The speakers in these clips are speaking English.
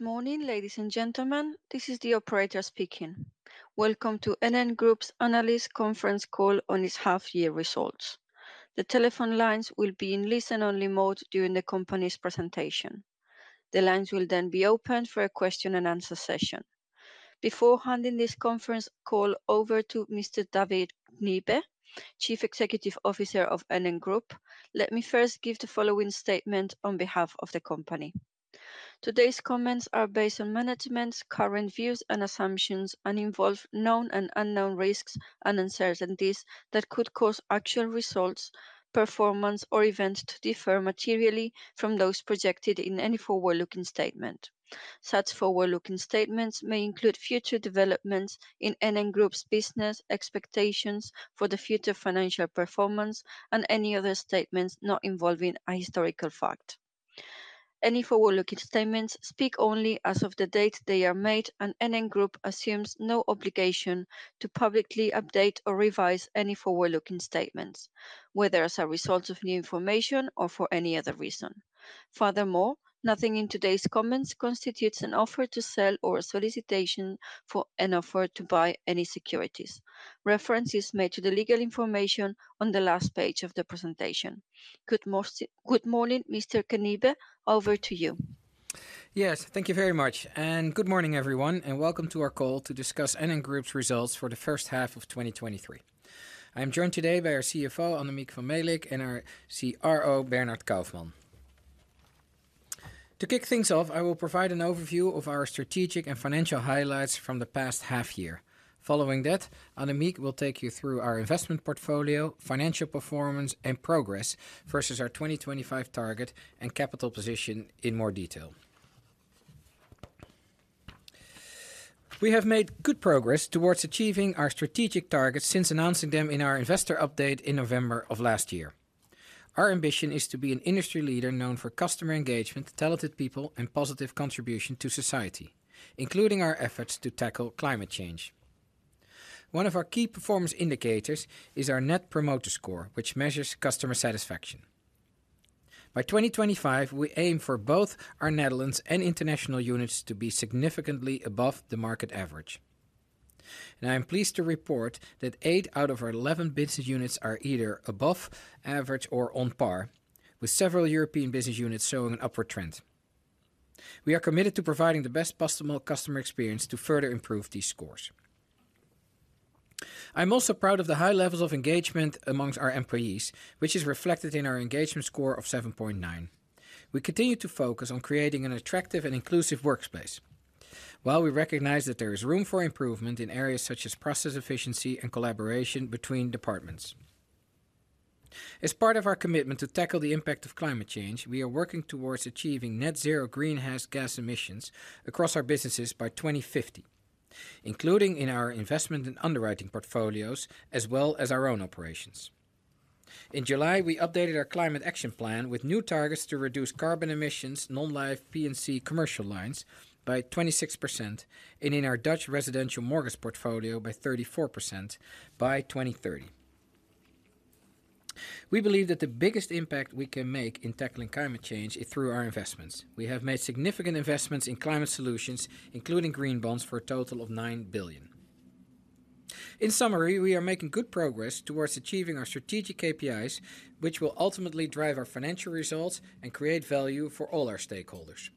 Good morning, ladies and gentlemen, this is the operator speaking. Welcome to NN Group's analyst conference call on its half-year results. The telephone lines will be in listen-only mode during the company's presentation. The lines will then be opened for a question-and-answer session. Before handing this conference call over to Mr. David Knibbe, Chief Executive Officer of NN Group, let me first give the following statement on behalf of the company. Today's comments are based on management's current views and assumptions and involve known and unknown risks and uncertainties that could cause actual results, performance, or events to differ materially from those projected in any forward-looking statement. Such forward-looking statements may include future developments in NN Group's business, expectations for the future financial performance, and any other statements not involving a historical fact. Any forward-looking statements speak only as of the date they are made, and NN Group assumes no obligation to publicly update or revise any forward-looking statements, whether as a result of new information or for any other reason. Furthermore, nothing in today's comments constitutes an offer to sell or a solicitation for an offer to buy any securities. Reference is made to the legal information on the last page of the presentation. Good morning, Mr. Knibbe. Over to you. Yes, thank you very much. Good morning, everyone, and welcome to our call to discuss NN Group's results for the first half of 2023. I am joined today by our CFO, Annemiek van Melick, and our CRO, Bernhard Kaufmann. To kick things off, I will provide an overview of our strategic and financial highlights from the past half year. Following that, Annemiek will take you through our investment portfolio, financial performance, and progress versus our 2025 target and capital position in more detail. We have made good progress towards achieving our strategic targets since announcing them in our investor update in November of last year. Our ambition is to be an industry leader known for customer engagement, talented people, and positive contribution to society, including our efforts to tackle climate change. One of our key performance indicators is our Net Promoter Score, which measures customer satisfaction. By 2025, we aim for both our Netherlands and International units to be significantly above the market average. I am pleased to report that 8 out of our 11 business units are either above average or on par, with several European business units showing an upward trend. We are committed to providing the best possible customer experience to further improve these scores. I'm also proud of the high levels of engagement among our employees, which is reflected in our engagement score of 7.9. We continue to focus on creating an attractive and inclusive workspace, while we recognize that there is room for improvement in areas such as process efficiency and collaboration between departments. As part of our commitment to tackle the impact of climate change, we are working towards achieving net zero greenhouse gas emissions across our businesses by 2050, including in our investment and underwriting portfolios, as well as our own operations. In July, we updated our climate action plan with new targets to reduce carbon emissions, Non-Life P&C commercial lines by 26%, and in our Dutch residential mortgage portfolio by 34% by 2030. We believe that the biggest impact we can make in tackling climate change is through our investments. We have made significant investments in climate solutions, including green bonds, for a total of 9 billion. In summary, we are making good progress towards achieving our strategic KPIs, which will ultimately drive our financial results and create value for all our stakeholders.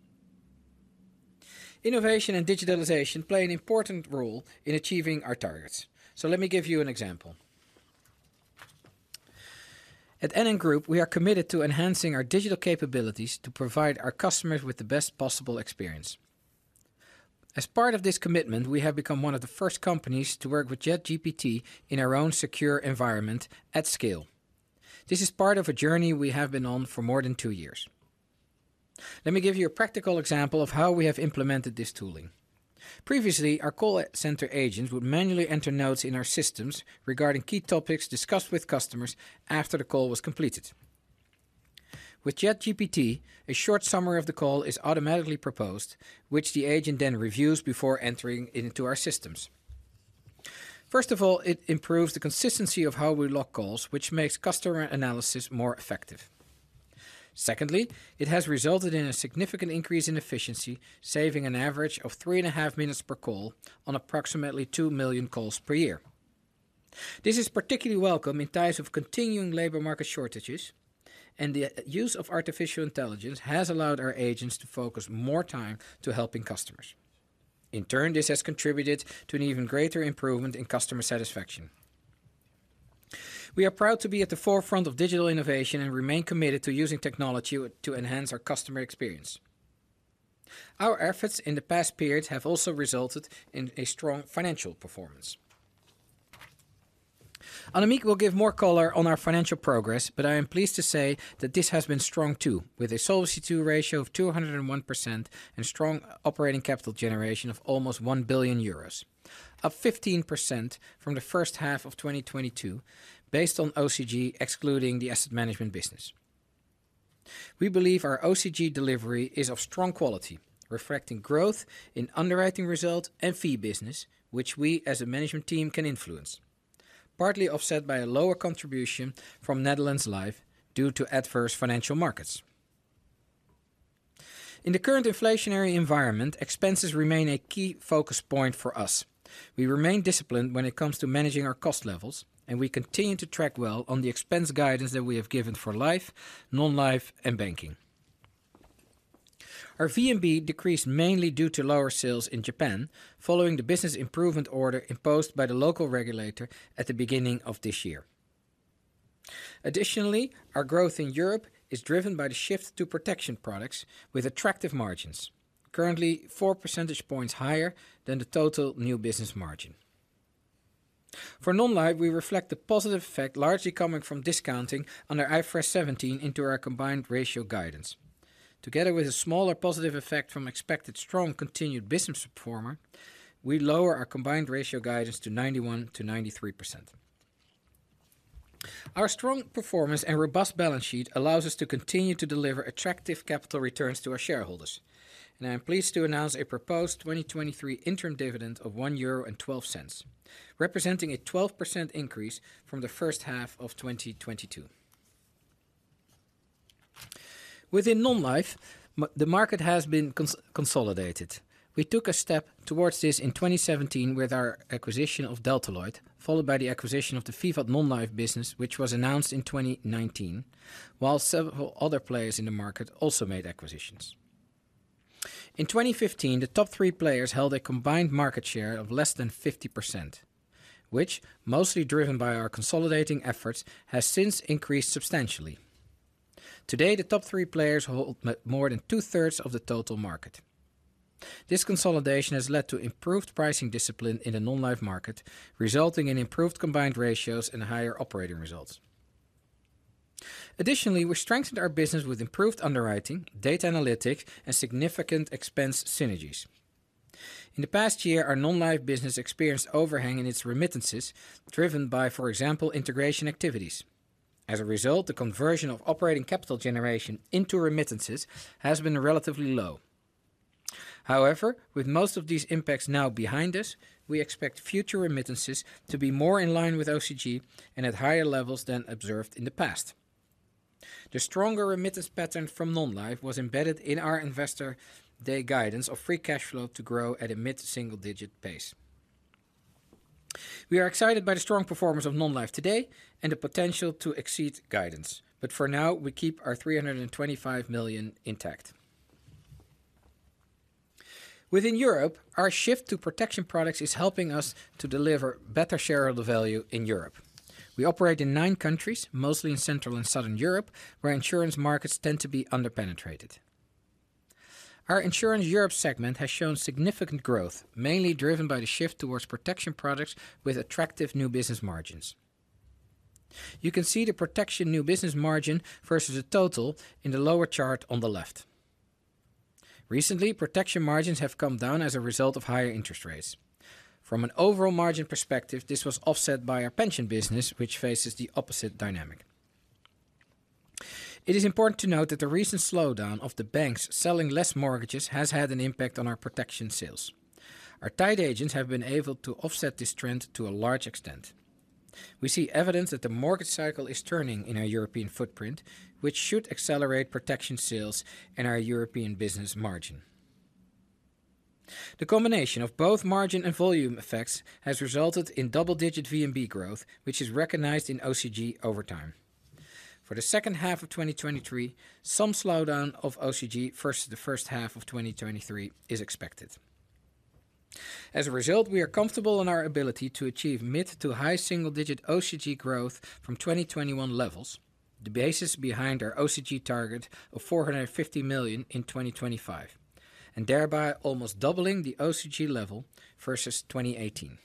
Innovation and digitalization play an important role in achieving our targets. So let me give you an example. At NN Group, we are committed to enhancing our digital capabilities to provide our customers with the best possible experience. As part of this commitment, we have become one of the first companies to work with ChatGPT in our own secure environment at scale. This is part of a journey we have been on for more than two years. Let me give you a practical example of how we have implemented this tooling. Previously, our call center agents would manually enter notes in our systems regarding key topics discussed with customers after the call was completed. With ChatGPT, a short summary of the call is automatically proposed, which the agent then reviews before entering into our systems. First of all, it improves the consistency of how we log calls, which makes customer analysis more effective. Secondly, it has resulted in a significant increase in efficiency, saving an average of 3.5 minutes per call on approximately 2 million calls per year. This is particularly welcome in times of continuing labor market shortages, and the use of artificial intelligence has allowed our agents to focus more time to helping customers. In turn, this has contributed to an even greater improvement in customer satisfaction. We are proud to be at the forefront of digital innovation and remain committed to using technology to enhance our customer experience. Our efforts in the past period have also resulted in a strong financial performance. Annemiek will give more color on our financial progress, but I am pleased to say that this has been strong, too, with a Solvency II ratio of 201% and strong operating capital generation of almost 1 billion euros, up 15% from the first half of 2022, based on OCG, excluding the asset management business. We believe our OCG delivery is of strong quality, reflecting growth in underwriting results and fee business, which we as a management team can influence. Partly offset by a lower contribution from Netherlands Life due to adverse financial markets. In the current inflationary environment, expenses remain a key focus point for us. We remain disciplined when it comes to managing our cost levels, and we continue to track well on the expense guidance that we have given for Life, Non-Life, and Banking. Our VNB decreased mainly due to lower sales in Japan, following the Business Improvement Order imposed by the local regulator at the beginning of this year. Additionally, our growth in Europe is driven by the shift to protection products with attractive margins, currently 4 percentage points higher than the total new business margin. For Non-Life, we reflect the positive effect, largely coming from discounting under IFRS 17 into our combined ratio guidance. Together with a smaller positive effect from expected strong continued business performer, we lower our combined ratio guidance to 91%-93%. Our strong performance and robust balance sheet allows us to continue to deliver attractive capital returns to our shareholders, and I am pleased to announce a proposed 2023 interim dividend of 1.12 euro, representing a 12% increase from the first half of 2022. Within Non-Life, the market has been consolidated. We took a step towards this in 2017 with our acquisition of Delta Lloyd, followed by the acquisition of the Vivat Non-Life business, which was announced in 2019, while several other players in the market also made acquisitions. In 2015, the top three players held a combined market share of less than 50%, which, mostly driven by our consolidating efforts, has since increased substantially. Today, the top three players hold more than two-thirds of the total market. This consolidation has led to improved pricing discipline in the Non-Life market, resulting in improved combined ratios and higher operating results. Additionally, we strengthened our business with improved underwriting, data analytics, and significant expense synergies. In the past year, our Non-Life business experienced overhang in its remittances, driven by, for example, integration activities. As a result, the conversion of operating capital generation into remittances has been relatively low. However, with most of these impacts now behind us, we expect future remittances to be more in line with OCG and at higher levels than observed in the past. The stronger remittance pattern from Non-Life was embedded in our Investor Day guidance of free cash flow to grow at a mid-single-digit pace. We are excited by the strong performance of Non-Life today and the potential to exceed guidance, but for now, we keep our 325 million intact. Within Europe, our shift to protection products is helping us to deliver better shareholder value in Europe. We operate in nine countries, mostly in Central and Southern Europe, where insurance markets tend to be under-penetrated. Our Insurance Europe segment has shown significant growth, mainly driven by the shift towards protection products with attractive new business margins. You can see the protection new business margin versus the total in the lower chart on the left. Recently, protection margins have come down as a result of higher interest rates. From an overall margin perspective, this was offset by our pension business, which faces the opposite dynamic. It is important to note that the recent slowdown of the banks selling less mortgages has had an impact on our protection sales. Our tied agents have been able to offset this trend to a large extent. We see evidence that the mortgage cycle is turning in our European footprint, which should accelerate protection sales in our European business margin. The combination of both margin and volume effects has resulted in double-digit VNB growth, which is recognized in OCG over time. For the second half of 2023, some slowdown of OCG versus the first half of 2023 is expected. As a result, we are comfortable in our ability to achieve mid- to high single-digit OCG growth from 2021 levels, the basis behind our OCG target of 450 million in 2025, and thereby almost doubling the OCG level versus 2018.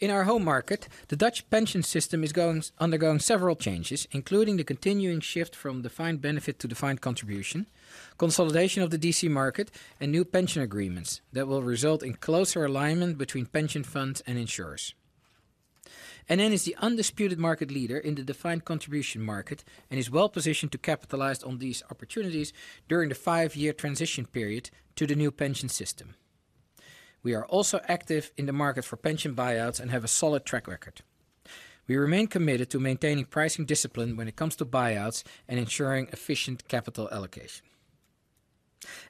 In our home market, the Dutch pension system is undergoing several changes, including the continuing shift from defined benefit to defined contribution, consolidation of the DC market, and new pension agreements that will result in closer alignment between pension funds and insurers. NN is the undisputed market leader in the defined contribution market and is well positioned to capitalize on these opportunities during the 5-year transition period to the new pension system. We are also active in the market for pension buyouts and have a solid track record. We remain committed to maintaining pricing discipline when it comes to buyouts and ensuring efficient capital allocation.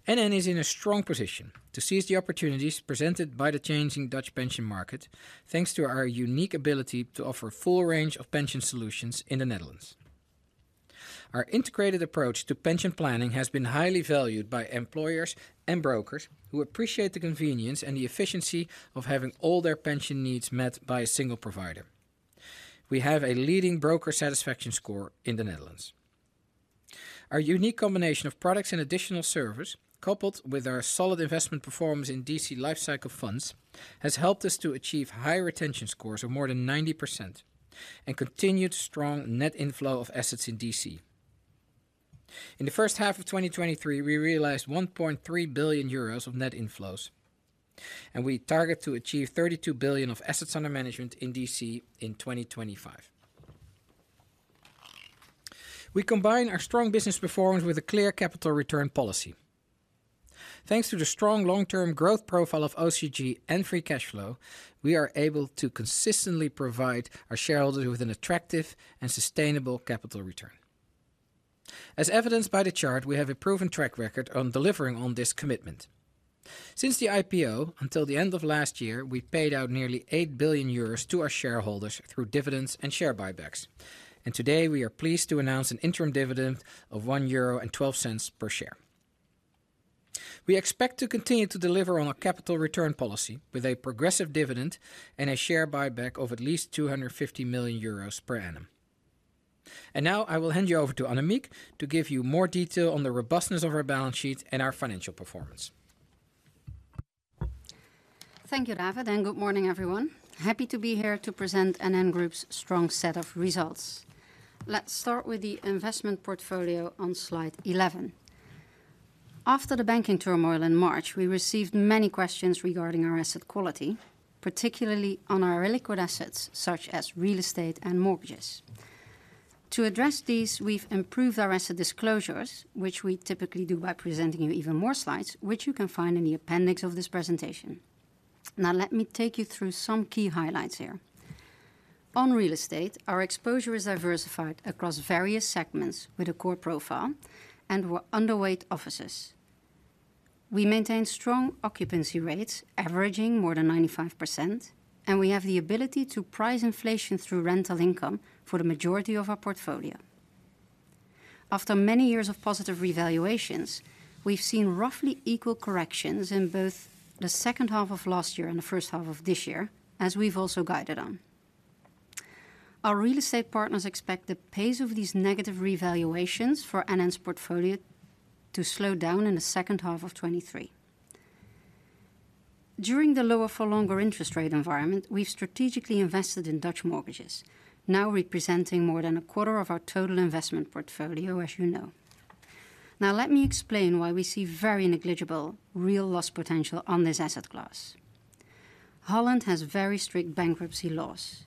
NN is in a strong position to seize the opportunities presented by the changing Dutch pension market, thanks to our unique ability to offer a full range of pension solutions in the Netherlands. Our integrated approach to pension planning has been highly valued by employers and brokers who appreciate the convenience and the efficiency of having all their pension needs met by a single provider. We have a leading broker satisfaction score in the Netherlands. Our unique combination of products and additional service, coupled with our solid investment performance in DC lifecycle funds, has helped us to achieve high retention scores of more than 90% and continued strong net inflow of assets in DC. In the first half of 2023, we realized 1.3 billion euros of net inflows, and we target to achieve 32 billion of assets under management in DC in 2025. We combine our strong business performance with a clear capital return policy. Thanks to the strong long-term growth profile of OCG and free cash flow, we are able to consistently provide our shareholders with an attractive and sustainable capital return. As evidenced by the chart, we have a proven track record on delivering on this commitment. Since the IPO, until the end of last year, we've paid out nearly 8 billion euros to our shareholders through dividends and share buybacks. And today, we are pleased to announce an interim dividend of 1.12 euro per share. We expect to continue to deliver on our capital return policy with a progressive dividend and a share buyback of at least 250 million euros per annum. Now I will hand you over to Annemiek to give you more detail on the robustness of our balance sheet and our financial performance. Thank you, David, and good morning, everyone. Happy to be here to present NN Group's strong set of results. Let's start with the investment portfolio on slide 11. After the banking turmoil in March, we received many questions regarding our asset quality, particularly on our illiquid assets, such as real estate and mortgages. To address these, we've improved our asset disclosures, which we typically do by presenting you even more slides, which you can find in the appendix of this presentation. Now, let me take you through some key highlights here. On real estate, our exposure is diversified across various segments with a core profile and with underweight offices. We maintain strong occupancy rates, averaging more than 95%, and we have the ability to price inflation through rental income for the majority of our portfolio. After many years of positive revaluations, we've seen roughly equal corrections in both the second half of last year and the first half of this year, as we've also guided on. Our real estate partners expect the pace of these negative revaluations for NN's portfolio to slow down in the second half of 2023. During the lower for longer interest rate environment, we've strategically invested in Dutch mortgages, now representing more than a quarter of our total investment portfolio, as you know. Now, let me explain why we see very negligible real loss potential on this asset class. Holland has very strict bankruptcy laws.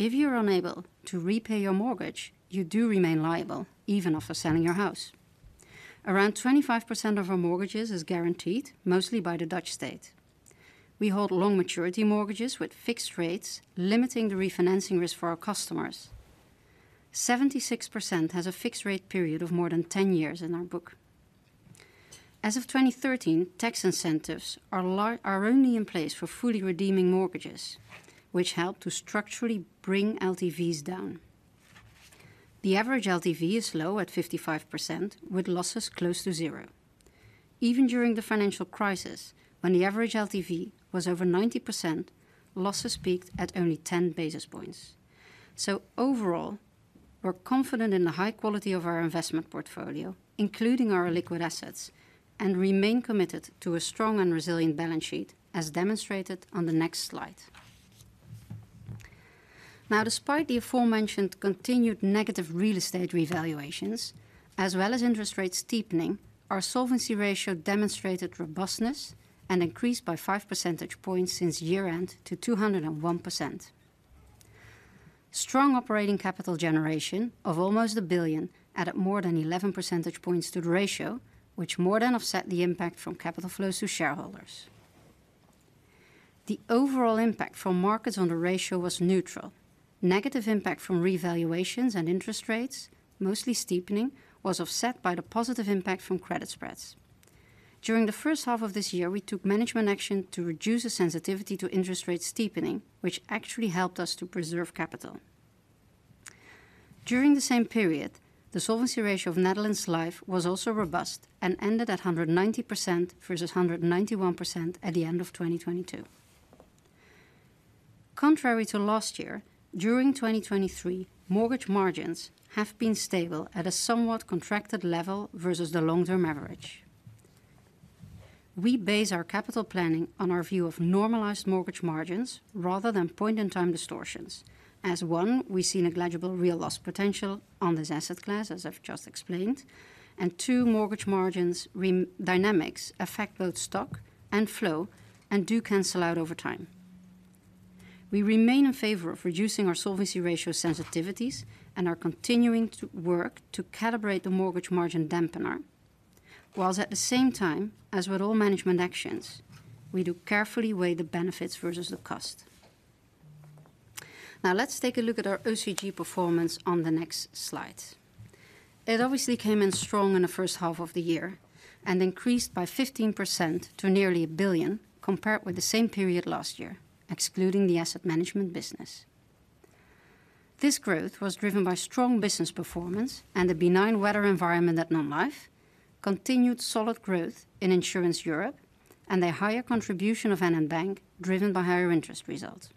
If you're unable to repay your mortgage, you do remain liable, even after selling your house. Around 25% of our mortgages is guaranteed, mostly by the Dutch state. We hold long maturity mortgages with fixed rates, limiting the refinancing risk for our customers. 76% has a fixed rate period of more than 10 years in our book. As of 2013, tax incentives are only in place for fully redeeming mortgages, which help to structurally bring LTVs down. The average LTV is low at 55%, with losses close to zero. Even during the financial crisis, when the average LTV was over 90%, losses peaked at only 10 basis points. So overall, we're confident in the high quality of our investment portfolio, including our illiquid assets, and remain committed to a strong and resilient balance sheet, as demonstrated on the next slide. Now, despite the aforementioned continued negative real estate revaluations, as well as interest rates steepening, our solvency ratio demonstrated robustness and increased by 5 percentage points since year-end to 201%. Strong operating capital generation of almost 1 billion, added more than 11 percentage points to the ratio, which more than offset the impact from capital flows to shareholders. The overall impact from markets on the ratio was neutral. Negative impact from revaluations and interest rates, mostly steepening, was offset by the positive impact from credit spreads. During the first half of this year, we took management action to reduce the sensitivity to interest rate steepening, which actually helped us to preserve capital. During the same period, the solvency ratio of Netherlands Life was also robust and ended at 190% versus 191% at the end of 2022. Contrary to last year, during 2023, mortgage margins have been stable at a somewhat contracted level versus the long-term average. We base our capital planning on our view of normalized mortgage margins rather than point-in-time distortions. As one, we see negligible real loss potential on this asset class, as I've just explained, and two, mortgage margins dynamics affect both stock and flow and do cancel out over time. We remain in favor of reducing our solvency ratio sensitivities and are continuing to work to calibrate the mortgage margin dampener, while at the same time, as with all management actions, we do carefully weigh the benefits versus the cost. Now, let's take a look at our OCG performance on the next slide. It obviously came in strong in the first half of the year and increased by 15% to nearly 1 billion, compared with the same period last year, excluding the asset management business. This growth was driven by strong business performance and the benign weather environment at Non-Life, continued solid growth in Insurance Europe, and a higher contribution of NN Bank, driven by higher interest results.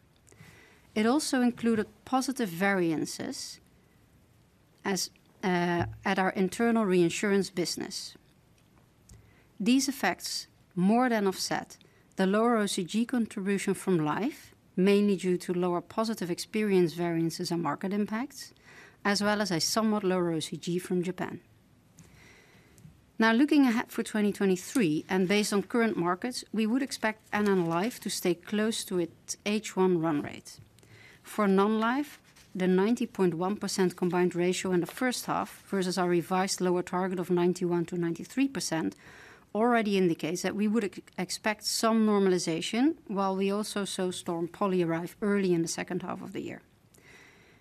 It also included positive variances as at our internal reinsurance business. These effects more than offset the lower OCG contribution from Life, mainly due to lower positive experience variances and market impacts, as well as a somewhat lower OCG from Japan. Now looking ahead for 2023, and based on current markets, we would expect NN Life to stay close to its H1 run rate. For Non-Life, the 90.1% combined ratio in the first half, versus our revised lower target of 91%-93%, already indicates that we would expect some normalization, while we also saw Storm Poly arrive early in the second half of the year.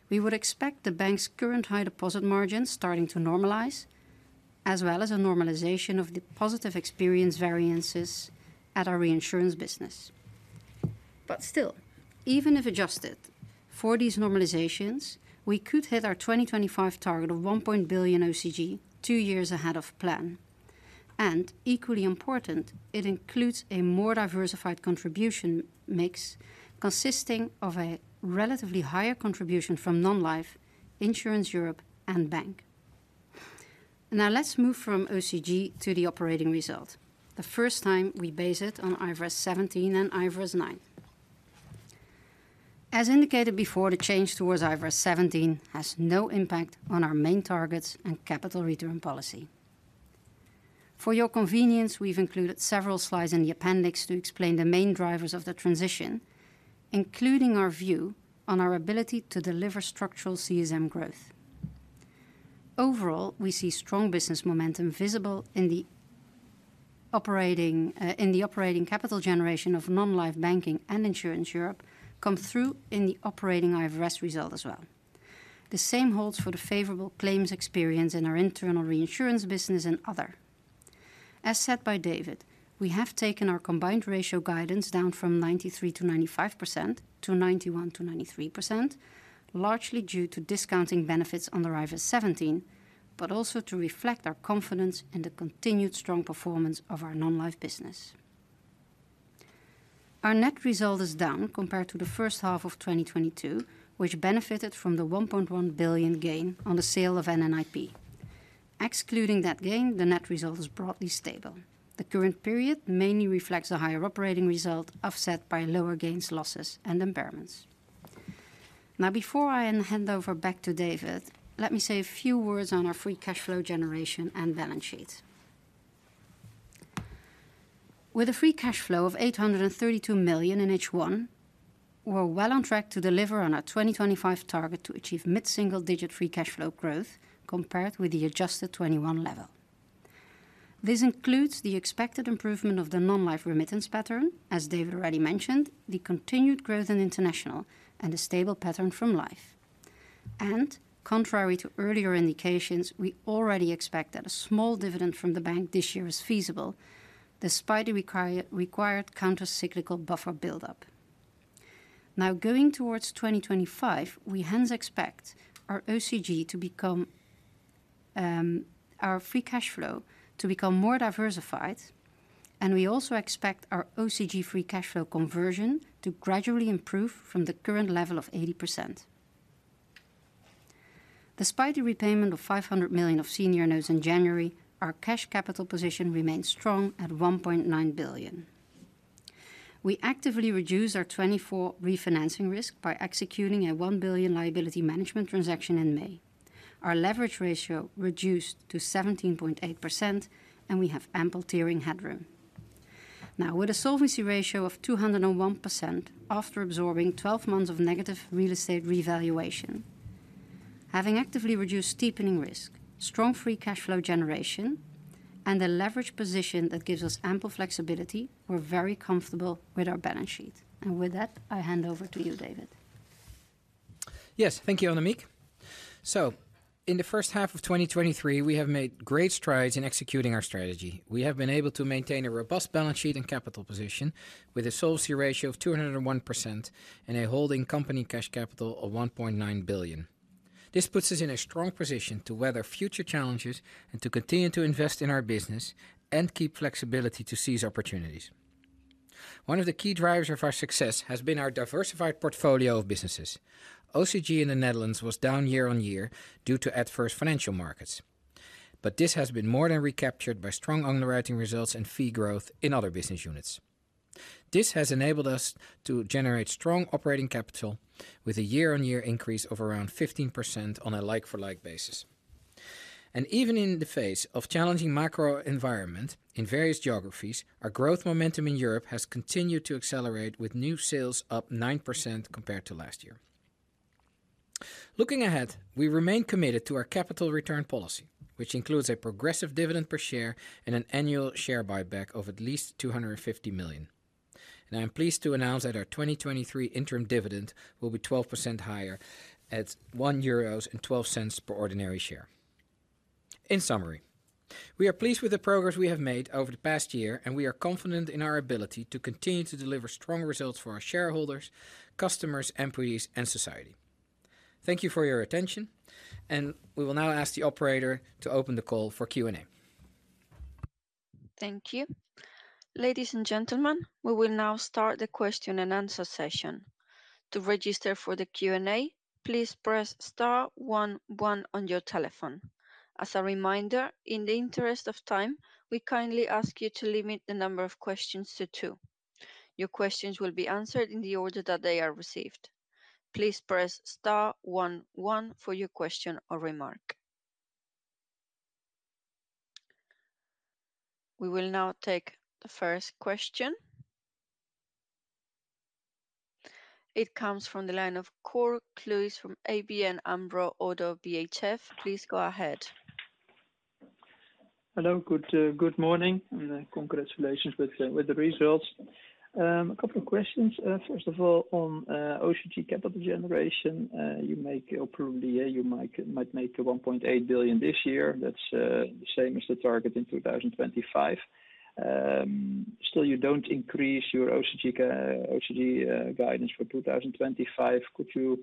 We would expect the Bank's current high deposit margins starting to normalize, as well as a normalization of the positive experience variances at our reinsurance business. But still, even if adjusted for these normalizations, we could hit our 2025 target of 1 billion OCG, two years ahead of plan. And equally important, it includes a more diversified contribution mix, consisting of a relatively higher contribution from Non-Life, Insurance Europe and Bank. Now let's move from OCG to the operating result, the first time we base it on IFRS 17 and IFRS 9. As indicated before, the change towards IFRS 17 has no impact on our main targets and capital return policy. For your convenience, we've included several slides in the appendix to explain the main drivers of the transition, including our view on our ability to deliver structural CSM growth. Overall, we see strong business momentum visible in the operating, in the operating capital generation of Non-Life Banking and Insurance Europe come through in the operating IFRS result as well. The same holds for the favorable claims experience in our internal reinsurance business and other. As said by David, we have taken our combined ratio guidance down from 93%-95% to 91%-93%, largely due to discounting benefits on the IFRS 17, but also to reflect our confidence in the continued strong performance of our Non-Life business. Our net result is down compared to the first half of 2022, which benefited from the 1.1 billion gain on the sale of NNIP. Excluding that gain, the net result is broadly stable. The current period mainly reflects a higher operating result, offset by lower gains, losses, and impairments. Now, before I hand over back to David, let me say a few words on our free cash flow generation and balance sheet. With a free cash flow of 832 million in H1, we're well on track to deliver on our 2025 target to achieve mid-single-digit free cash flow growth, compared with the adjusted 2021 level. This includes the expected improvement of the Non-Life remittance pattern, as David already mentioned, the continued growth in International, and a stable pattern from Life. Contrary to earlier indications, we already expect that a small dividend from the bank this year is feasible, despite the required countercyclical buffer build-up. Now, going towards 2025, we hence expect our OCG to become, our free cash flow to become more diversified, and we also expect our OCG free cash flow conversion to gradually improve from the current level of 80%. Despite the repayment of 500 million of senior notes in January, our cash capital position remains strong at 1.9 billion. We actively reduce our 2024 refinancing risk by executing a 1 billion liability management transaction in May. Our leverage ratio reduced to 17.8%, and we have ample tiering headroom. Now, with a solvency ratio of 201%, after absorbing 12 months of negative real estate revaluation, having actively reduced steepening risk, strong free cash flow generation, and a leverage position that gives us ample flexibility, we're very comfortable with our balance sheet. With that, I hand over to you, David. Yes, thank you, Annemiek. In the first half of 2023, we have made great strides in executing our strategy. We have been able to maintain a robust balance sheet and capital position, with a solvency ratio of 201% and a holding company cash capital of 1.9 billion. This puts us in a strong position to weather future challenges and to continue to invest in our business and keep flexibility to seize opportunities. One of the key drivers of our success has been our diversified portfolio of businesses. OCG in the Netherlands was down year-on-year, due to adverse financial markets, but this has been more than recaptured by strong underwriting results and fee growth in other business units. This has enabled us to generate strong operating capital with a year-on-year increase of around 15% on a like-for-like basis. Even in the face of challenging macro environment in various geographies, our growth momentum in Europe has continued to accelerate, with new sales up 9% compared to last year. Looking ahead, we remain committed to our capital return policy, which includes a progressive dividend per share and an annual share buyback of at least 250 million. I am pleased to announce that our 2023 interim dividend will be 12% higher at 1.12 euros per ordinary share. In summary, we are pleased with the progress we have made over the past year, and we are confident in our ability to continue to deliver strong results for our shareholders, customers, employees, and society. Thank you for your attention, and we will now ask the operator to open the call for Q&A. Thank you. Ladies and gentlemen, we will now start the question-and-answer session. To register for the Q&A, please press star one one on your telephone. As a reminder, in the interest of time, we kindly ask you to limit the number of questions to two. Your questions will be answered in the order that they are received. Please press star one one for your question or remark. We will now take the first question. It comes from the line of Cor Kluis from ABN AMRO – ODDO BHF. Please go ahead. Hello. Good morning, and congratulations with the results. A couple of questions. First of all, on OCG capital generation, you make or probably, yeah, you might make to 1.8 billion this year. That's the same as the target in 2025. Still, you don't increase your OCG guidance for 2025. Could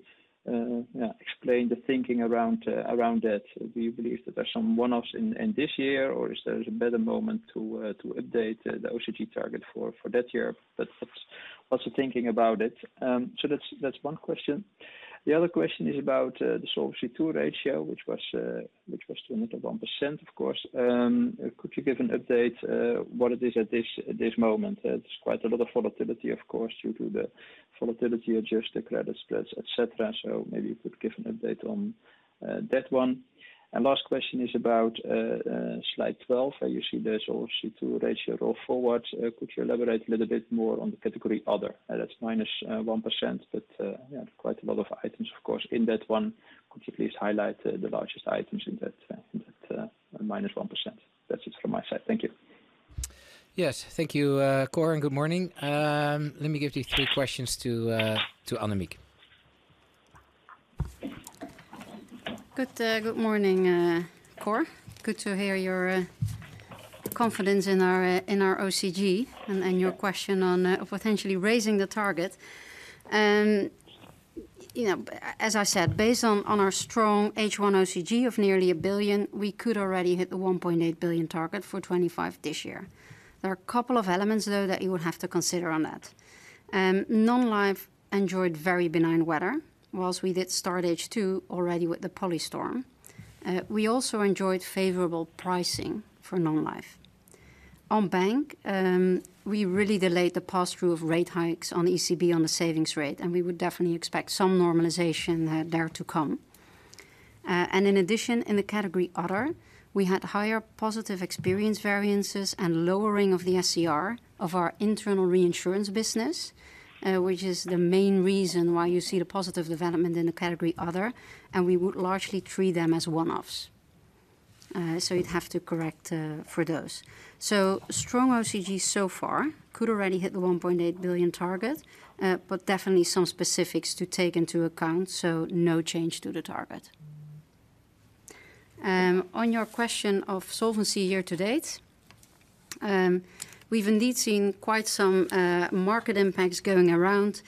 you explain the thinking around that? Do you believe that there's some one-offs in this year, or is there a better moment to update the OCG target for that year? But what's the thinking about it? So that's one question. The other question is about the Solvency II ratio, which was 201%, of course. Could you give an update, what it is at this, at this moment? There's quite a lot of volatility, of course, due to the volatility-adjusted credit spreads, et cetera. So maybe you could give an update on, that one. And last question is about, slide 12, where you see there's Solvency II ratio roll forward. Could you elaborate a little bit more on the category other? That's -1%, but, yeah, quite a lot of items, of course, in that one. Could you please highlight the largest items in that -1%? That's it from my side. Thank you. Yes. Thank you, Cor, and good morning. Let me give these three questions to Annemiek. Good morning, Cor. Good to hear your confidence in our OCG and your question on potentially raising the target. You know, as I said, based on our strong H1 OCG of nearly 1 billion, we could already hit the 1.8 billion target for 2025 this year. There are a couple of elements, though, that you would have to consider on that. Non-Life enjoyed very benign weather, whilst we did start H2 already with the Storm Poly. We also enjoyed favorable pricing for Non-Life. On Bank, we really delayed the pass-through of rate hikes on the ECB, on the savings rate, and we would definitely expect some normalization there to come. In addition, in the category Other, we had higher positive experience variances and lowering of the SCR of our internal reinsurance business, which is the main reason why you see the positive development in the category Other, and we would largely treat them as one-offs. You'd have to correct for those. Strong OCG so far could already hit the 1.8 billion target, but definitely some specifics to take into account, so no change to the target. On your question of solvency year-to-date, we've indeed seen quite some market impacts going around,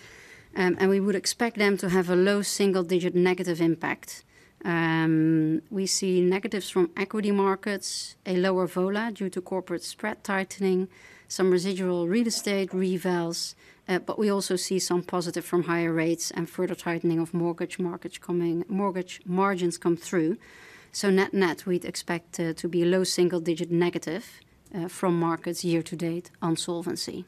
and we would expect them to have a low single-digit negative impact. We see negatives from equity markets, a lower vola due to corporate spread tightening, some residual real estate revals, but we also see some positive from higher rates and further tightening of mortgage markets coming, mortgage margins come through. So net-net, we'd expect to be a low single-digit negative from markets year to date on solvency.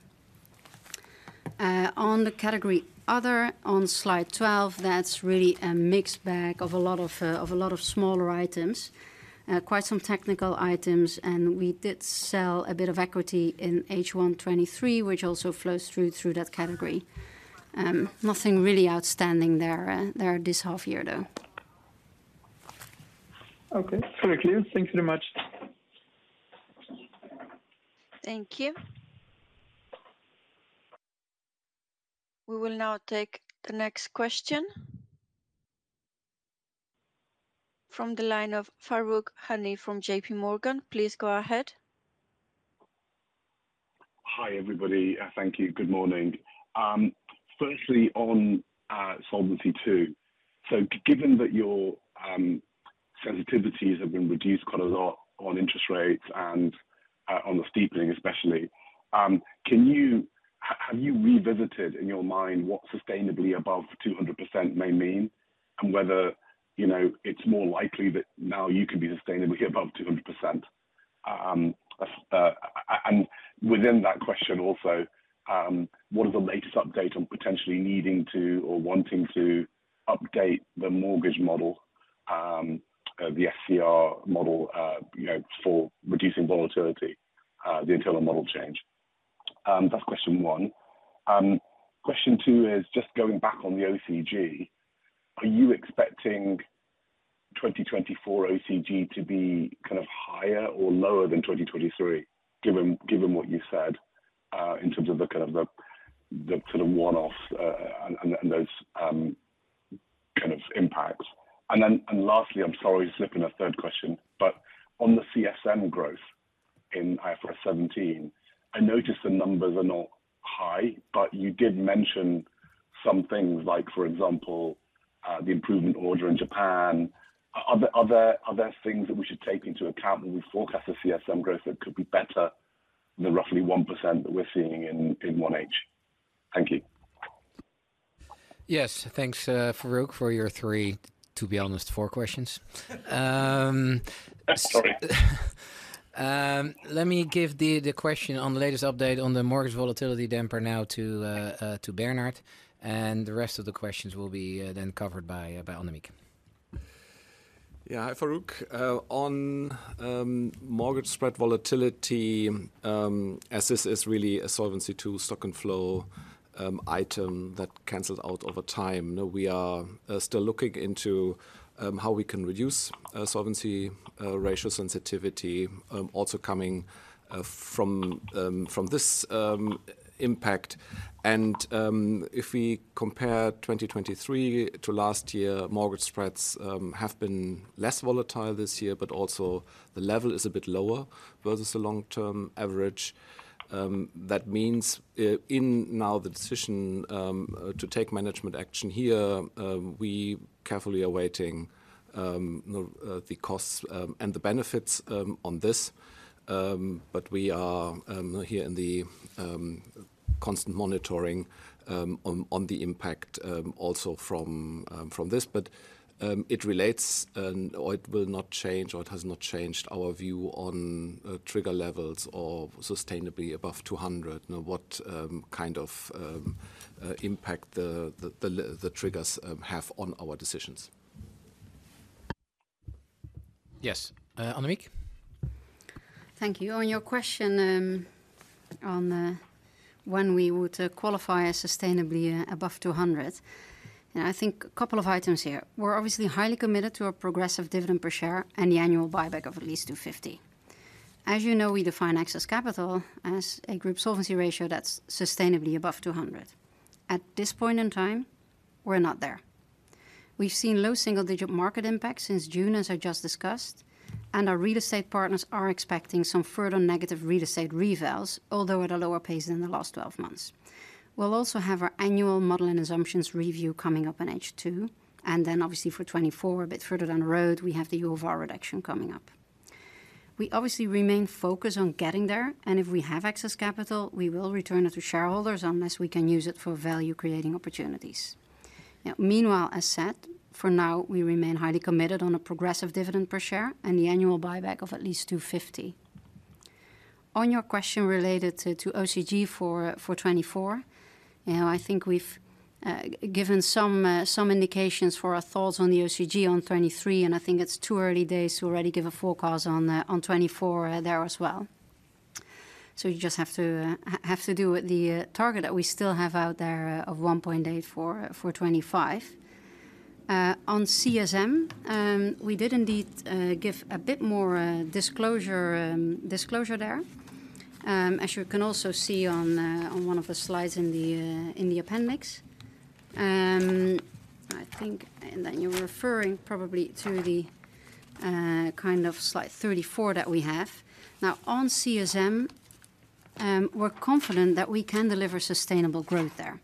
On the category Other, on slide 12, that's really a mixed bag of a lot of a lot of smaller items, quite some technical items, and we did sell a bit of equity in H1 2023, which also flows through that category. Nothing really outstanding there, there this half year, though. Okay, very clear. Thank you very much. Thank you. We will now take the next question. From the line of Farooq Hanif from JPMorgan, please go ahead. Hi, everybody. Thank you. Good morning. Firstly on Solvency II. So given that your sensitivities have been reduced quite a lot on interest rates and on the steepening especially, have you revisited in your mind what sustainably above 200% may mean, and whether, you know, it's more likely that now you can be sustainably above 200%? And within that question also, what is the latest update on potentially needing to or wanting to update the mortgage model, the SCR model, you know, for reducing volatility, the internal model change? That's question one. Question two is just going back on the OCG: Are you expecting 2024 OCG to be kind of higher or lower than 2023, given what you said, in terms of the kind of the, the sort of one-off, and those kind of impacts? And then, and lastly, I'm sorry, slipping a third question, but on the CSM growth in IFRS 17, I noticed the numbers are not high, but you did mention some things like, for example, the improvement order in Japan. Are there things that we should take into account when we forecast the CSM growth that could be better than the roughly 1% that we're seeing in 1H? Thank you. Yes, thanks, Farooq, for your three, to be honest, four questions. Sorry. Let me give the question on the latest update on the mortgage volatility damper now to Bernhard, and the rest of the questions will be then covered by Annemiek. Yeah. Hi, Farooq. On mortgage spread volatility, as this is really a solvency to stock and flow item that cancels out over time. Now we are still looking into how we can reduce solvency ratio sensitivity, also coming from this impact. And if we compare 2023 to last year, mortgage spreads have been less volatile this year, but also the level is a bit lower versus the long-term average. That means, in now the decision to take management action here, we carefully are weighing the costs and the benefits on this. But we are here in the constant monitoring on the impact, also from this. It relates and or it will not change, or it has not changed our view on trigger levels of sustainably above 200. Now, what kind of impact the triggers have on our decisions. Yes, Annemiek. Thank you. On your question, when we would qualify as sustainably above 200%, and I think a couple of items here. We're obviously highly committed to a progressive dividend per share and the annual buyback of at least 250 million. As you know, we define excess capital as a group solvency ratio that's sustainably above 200%. At this point in time, we're not there. We've seen low single-digit market impact since June, as I just discussed, and our real estate partners are expecting some further negative real estate revaluations, although at a lower pace than the last 12 months. We'll also have our annual model and assumptions review coming up in H2, and then obviously for 2024, a bit further down the road, we have the UFR reduction coming up. We obviously remain focused on getting there, and if we have excess capital, we will return it to shareholders unless we can use it for value-creating opportunities. Now, meanwhile, as said, for now, we remain highly committed on a progressive dividend per share and the annual buyback of at least 250 million. On your question related to OCG for 2024, you know, I think we've given some indications for our thoughts on the OCG on 2023, and I think it's too early days to already give a forecast on 2024 there as well. So you just have to do with the target that we still have out there of 1.84 billion for 2025. On CSM, we did indeed give a bit more disclosure there. As you can also see on one of the slides in the appendix. I think, and then you're referring probably to the kind of slide 34 that we have. Now, on CSM, we're confident that we can deliver sustainable growth there.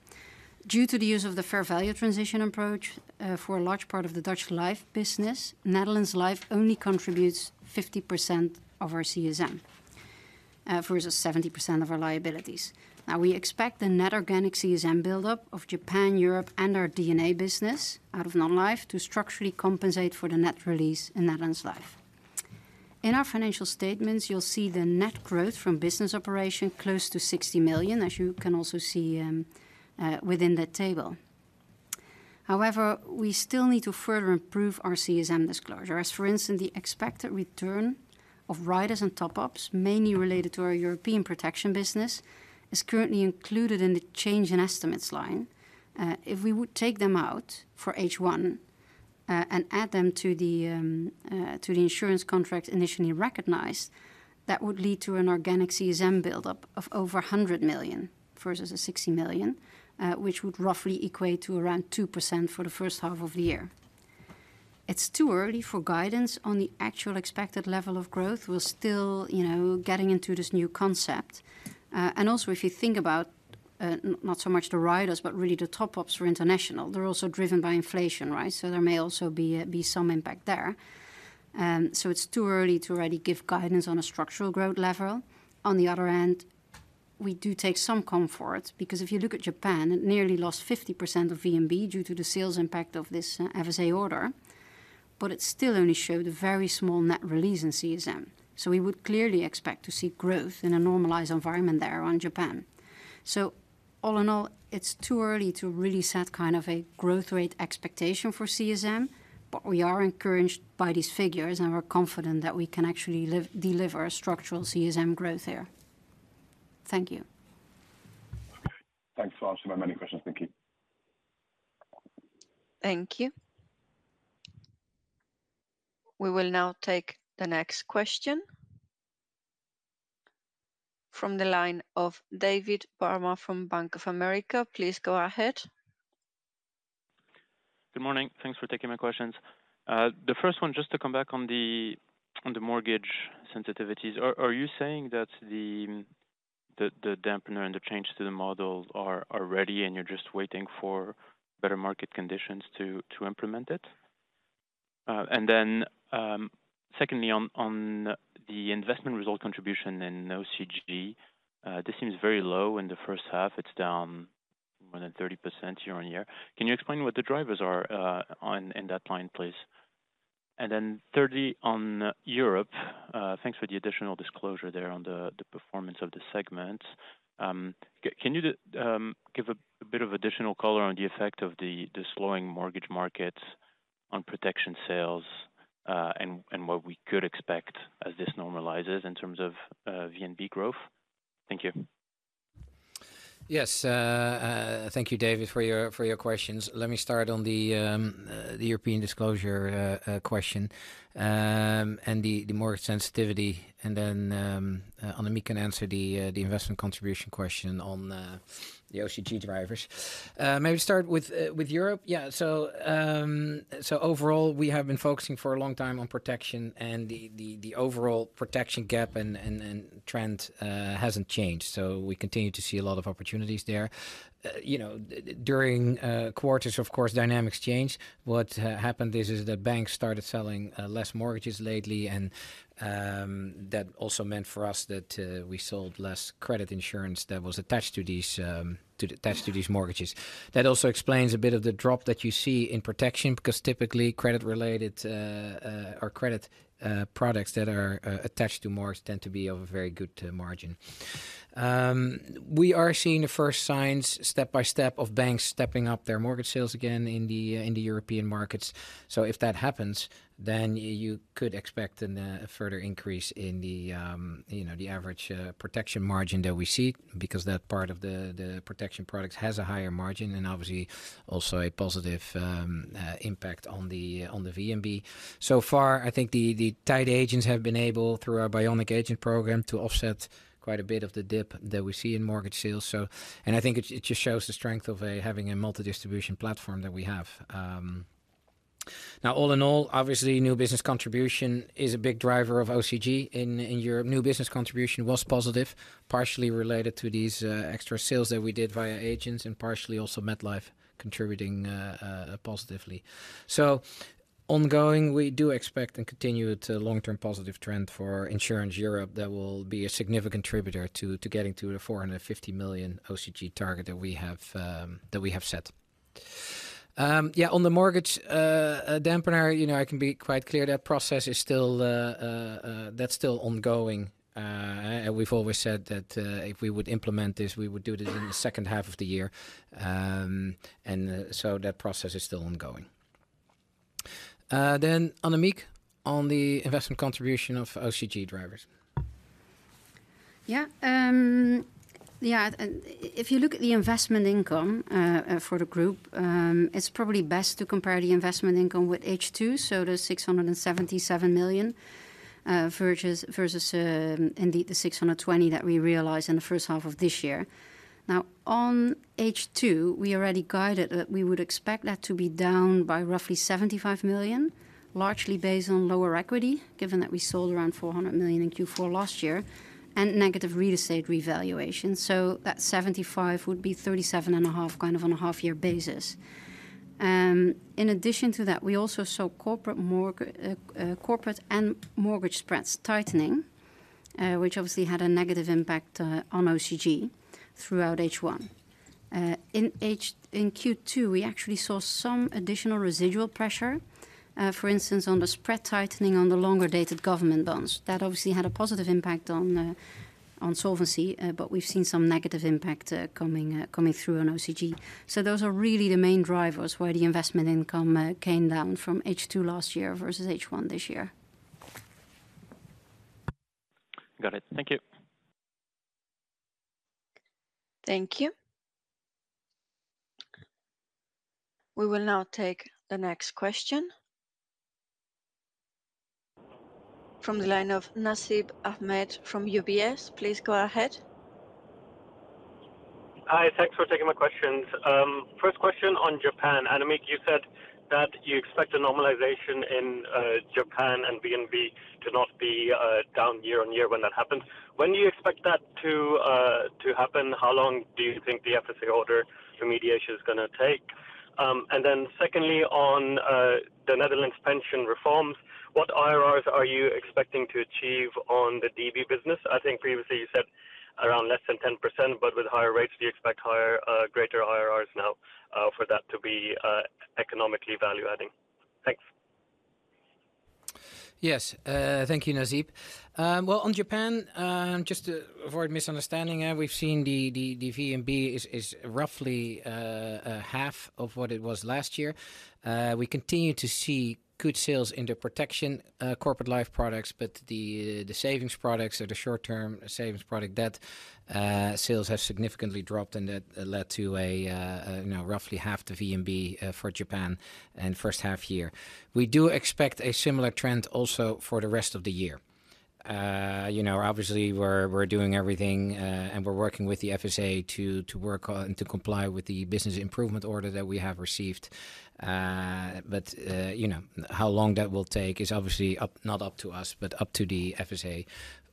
Due to the use of the fair value transition approach for a large part of the Dutch Life business, Netherlands Life only contributes 50% of our CSM versus 70% of our liabilities. Now, we expect the net organic CSM buildup of Japan, Europe, and our D&A business out of Non-Life to structurally compensate for the net release in Netherlands Life. In our financial statements, you'll see the net growth from business operation close to 60 million, as you can also see within that table. However, we still need to further improve our CSM disclosure, as, for instance, the expected return of riders and top-ups, mainly related to our European protection business, is currently included in the change in estimates line. If we would take them out for H1, and add them to the insurance contract initially recognized, that would lead to an organic CSM buildup of over 100 million, versus the 60 million, which would roughly equate to around 2% for the first half of the year. It's too early for guidance on the actual expected level of growth. We're still, you know, getting into this new concept. And also, if you think about, not so much the riders, but really the top-ups for international, they're also driven by inflation, right? So there may also be some impact there. So it's too early to already give guidance on a structural growth level. On the other hand, we do take some comfort, because if you look at Japan, it nearly lost 50% of VNB due to the sales impact of this FSA order, but it still only showed a very small net release in CSM. So we would clearly expect to see growth in a normalized environment there around Japan. So all in all, it's too early to really set kind of a growth rate expectation for CSM, but we are encouraged by these figures, and we're confident that we can actually deliver a structural CSM growth there. Thank you. Thanks for answering my many questions. Thank you. Thank you. We will now take the next question from the line of David Barma from Bank of America. Please go ahead. Good morning. Thanks for taking my questions. The first one, just to come back on the mortgage sensitivities. Are you saying that the dampener and the changes to the model are ready, and you're just waiting for better market conditions to implement it? And then, secondly, on the investment result contribution in OCG, this seems very low in the first half. It's down more than 30% year-on-year. Can you explain what the drivers are on, in that line, please? And then thirdly, on Europe, thanks for the additional disclosure there on the performance of the segment. Can you just give a bit of additional color on the effect of the slowing mortgage markets on protection sales, and what we could expect as this normalizes in terms of VNB growth? Thank you. Yes, thank you, David, for your questions. Let me start on the European disclosure question and the mortgage sensitivity. And then, Annemieke can answer the investment contribution question on the OCG drivers. Maybe start with Europe. Yeah, so overall, we have been focusing for a long time on protection and the overall protection gap and trend hasn't changed. So we continue to see a lot of opportunities there. You know, during quarters, of course, dynamics change. What happened is that banks started selling less mortgages lately, and that also meant for us that we sold less credit insurance that was attached to these mortgages. That also explains a bit of the drop that you see in protection, because typically credit-related or credit products that are attached to mortgage tend to be of a very good margin. We are seeing the first signs, step by step, of banks stepping up their mortgage sales again in the European markets. So if that happens, then you could expect a further increase in the, you know, the average protection margin that we see, because that part of the protection products has a higher margin and obviously also a positive impact on the VNB. So far, I think the tied agents have been able, through our Bionic Agent Program, to offset quite a bit of the dip that we see in mortgage sales. So, and I think it just shows the strength of having a multi-distribution platform that we have. Now, all in all, obviously, new business contribution is a big driver of OCG in Europe. New business contribution was positive, partially related to these extra sales that we did via agents, and partially also MetLife contributing positively. So ongoing, we do expect and continue to long-term positive trend for Insurance Europe that will be a significant contributor to getting to the 450 million OCG target that we have set. Yeah, on the mortgage dampener, you know, I can be quite clear that process is still, that's still ongoing. And we've always said that, if we would implement this, we would do this in the second half of the year. That process is still ongoing. Annemiek, on the investment contribution of OCG drivers. Yeah. Yeah, and if you look at the investment income for the group, it's probably best to compare the investment income with H2, so the 677 million versus indeed the 620 million that we realized in the first half of this year. Now, on H2, we already guided that we would expect that to be down by roughly 75 million, largely based on lower equity, given that we sold around 400 million in Q4 last year, and negative real estate revaluation. So that 75 million would be 37.5 million, kind of on a half-year basis. In addition to that, we also saw corporate mortgage spreads tightening, which obviously had a negative impact on OCG throughout H1. In H, in Q2, we actually saw some additional residual pressure, for instance, on the spread tightening on the longer-dated government bonds. That obviously had a positive impact on solvency, but we've seen some negative impact coming through on OCG. So those are really the main drivers where the investment income came down from H2 last year versus H1 this year. Got it. Thank you. Thank you. We will now take the next question. From the line of Nasib Ahmed from UBS. Please go ahead. Hi, thanks for taking my questions. First question on Japan. Annemiek, you said that you expect a normalization in Japan and VNB to not be down year-over-year when that happens. When do you expect that to happen? How long do you think the FSA order remediation is gonna take? And then secondly, on the Netherlands pension reforms, what IRRs are you expecting to achieve on the DB business? I think previously you said around less than 10%, but with higher rates, do you expect higher, greater IRRs now, for that to be economically value-adding? Thanks. Yes. Thank you, Nasib. Well, on Japan, just to avoid misunderstanding, we've seen the VNB is roughly half of what it was last year. We continue to see good sales in the protection, Corporate Life products, but the savings products or the short-term savings product, that sales have significantly dropped, and that led to a, you know, roughly half the VNB for Japan in first half year. We do expect a similar trend also for the rest of the year. You know, obviously we're doing everything, and we're working with the FSA to work on, to comply with the business improvement order that we have received. But, you know, how long that will take is obviously not up to us, but up to the FSA.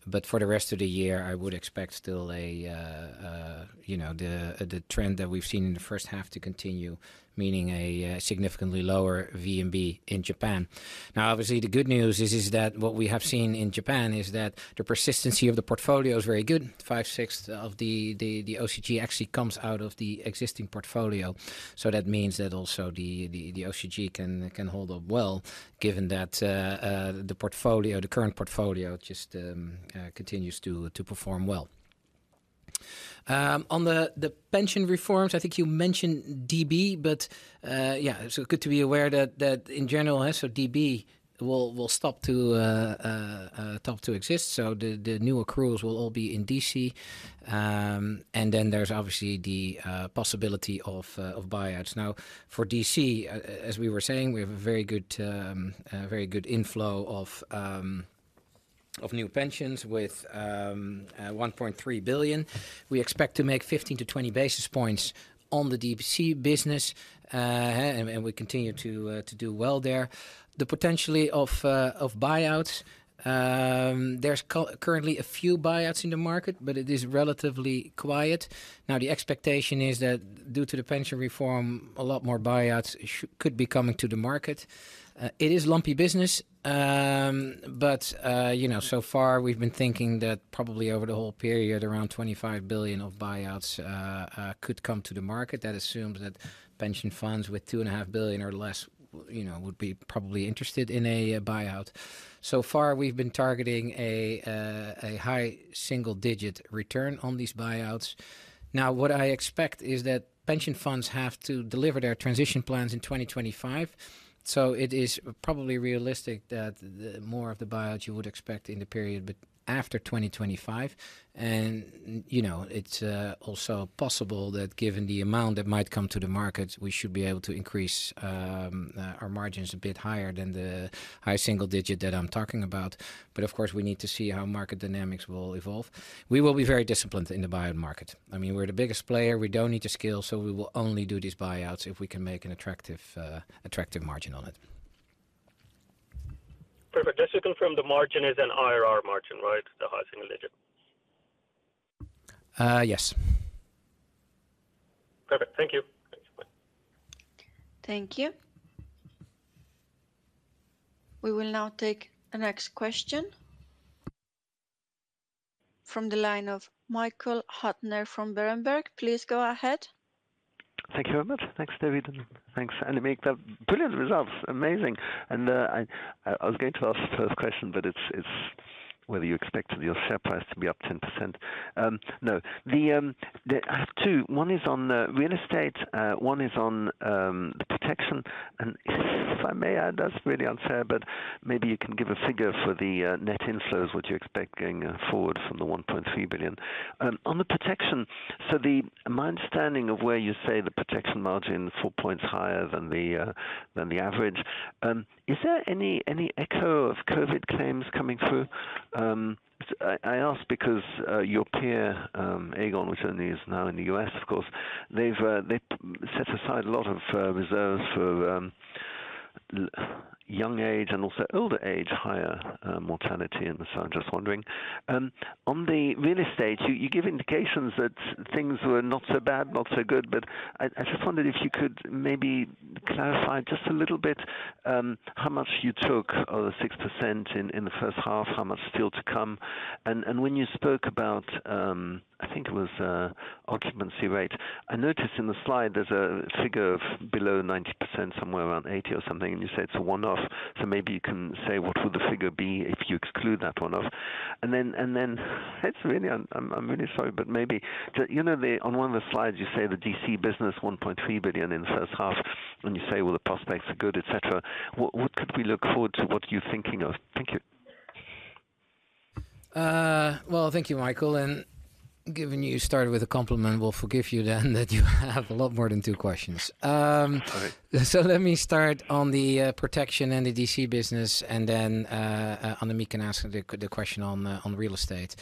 But for the rest of the year, I would expect still a you know the trend that we've seen in the first half to continue, meaning a significantly lower VNB in Japan. Now, obviously, the good news is that what we have seen in Japan is that the persistency of the portfolio is very good. Five-sixth of the OCG actually comes out of the existing portfolio, so that means that also the OCG can hold up well, given that the portfolio, the current portfolio just continues to perform well. On the pension reforms, I think you mentioned DB, but yeah, so good to be aware that in general, so DB will stop to exist, so the new accruals will all be in DC. And then there's obviously the possibility of buyouts. Now, for DC, as we were saying, we have a very good inflow of new pensions with 1.3 billion. We expect to make 15-20 basis points on the DC business, and we continue to do well there. The potential of buyouts, there's currently a few buyouts in the market, but it is relatively quiet. Now, the expectation is that due to the pension reform, a lot more buyouts could be coming to the market. It is lumpy business, but you know, so far we've been thinking that probably over the whole period, around 25 billion of buyouts could come to the market. That assumes that pension funds with 2.5 billion or less, you know, would be probably interested in a buyout. So far, we've been targeting a high single digit return on these buyouts. Now, what I expect is that pension funds have to deliver their transition plans in 2025, so it is probably realistic that the more of the buyouts you would expect in the period but after 2025. And, you know, it's also possible that given the amount that might come to the market, we should be able to increase our margins a bit higher than the high single digit that I'm talking about. But of course, we need to see how market dynamics will evolve. We will be very disciplined in the buyout market. I mean, we're the biggest player, we don't need to scale, so we will only do these buyouts if we can make an attractive margin on it. Perfect. Just to confirm, the margin is an IRR margin, right? The high single-digit. Uh, yes. Perfect. Thank you. Bye. Thank you. We will now take the next question from the line of Michael Huttner from Berenberg. Please go ahead. Thank you very much. Thanks, David, and thanks, Annemiek. Brilliant results, amazing. I was going to ask the first question, but it's whether you expect your share price to be up 10%. No. The, I have two. One is on the real estate, one is on the protection. And if I may add, that's really unfair, but maybe you can give a figure for the net inflows, what you expect going forward from the 1.3 billion. On the protection, so my understanding of where you say the protection margin is 4 points higher than the average, is there any echo of COVID claims coming through? I ask because your peer, Aegon, which only is now in the U.S., of course, they've set aside a lot of reserves for young age and also older age, higher mortality. And so I'm just wondering. On the real estate, you give indications that things were not so bad, not so good. But I just wondered if you could maybe clarify just a little bit how much you took of the 6% in the first half, how much is still to come? And when you spoke about, I think it was occupancy rate, I noticed in the slide there's a figure of below 90%, somewhere around 80% or something, and you said it's a one-off. So maybe you can say, what would the figure be if you exclude that one-off? It's really, I'm really sorry, but maybe, you know, on one of the slides, you say the DC business, 1.3 billion in the first half, and you say, well, the prospects are good, et cetera. What could we look forward to, what you're thinking of? Thank you. Well, thank you, Michael. Given you started with a compliment, we'll forgive you then, that you have a lot more than two questions. Sorry. So let me start on the protection and the DC business, and then Annemiek can ask the question on real estate.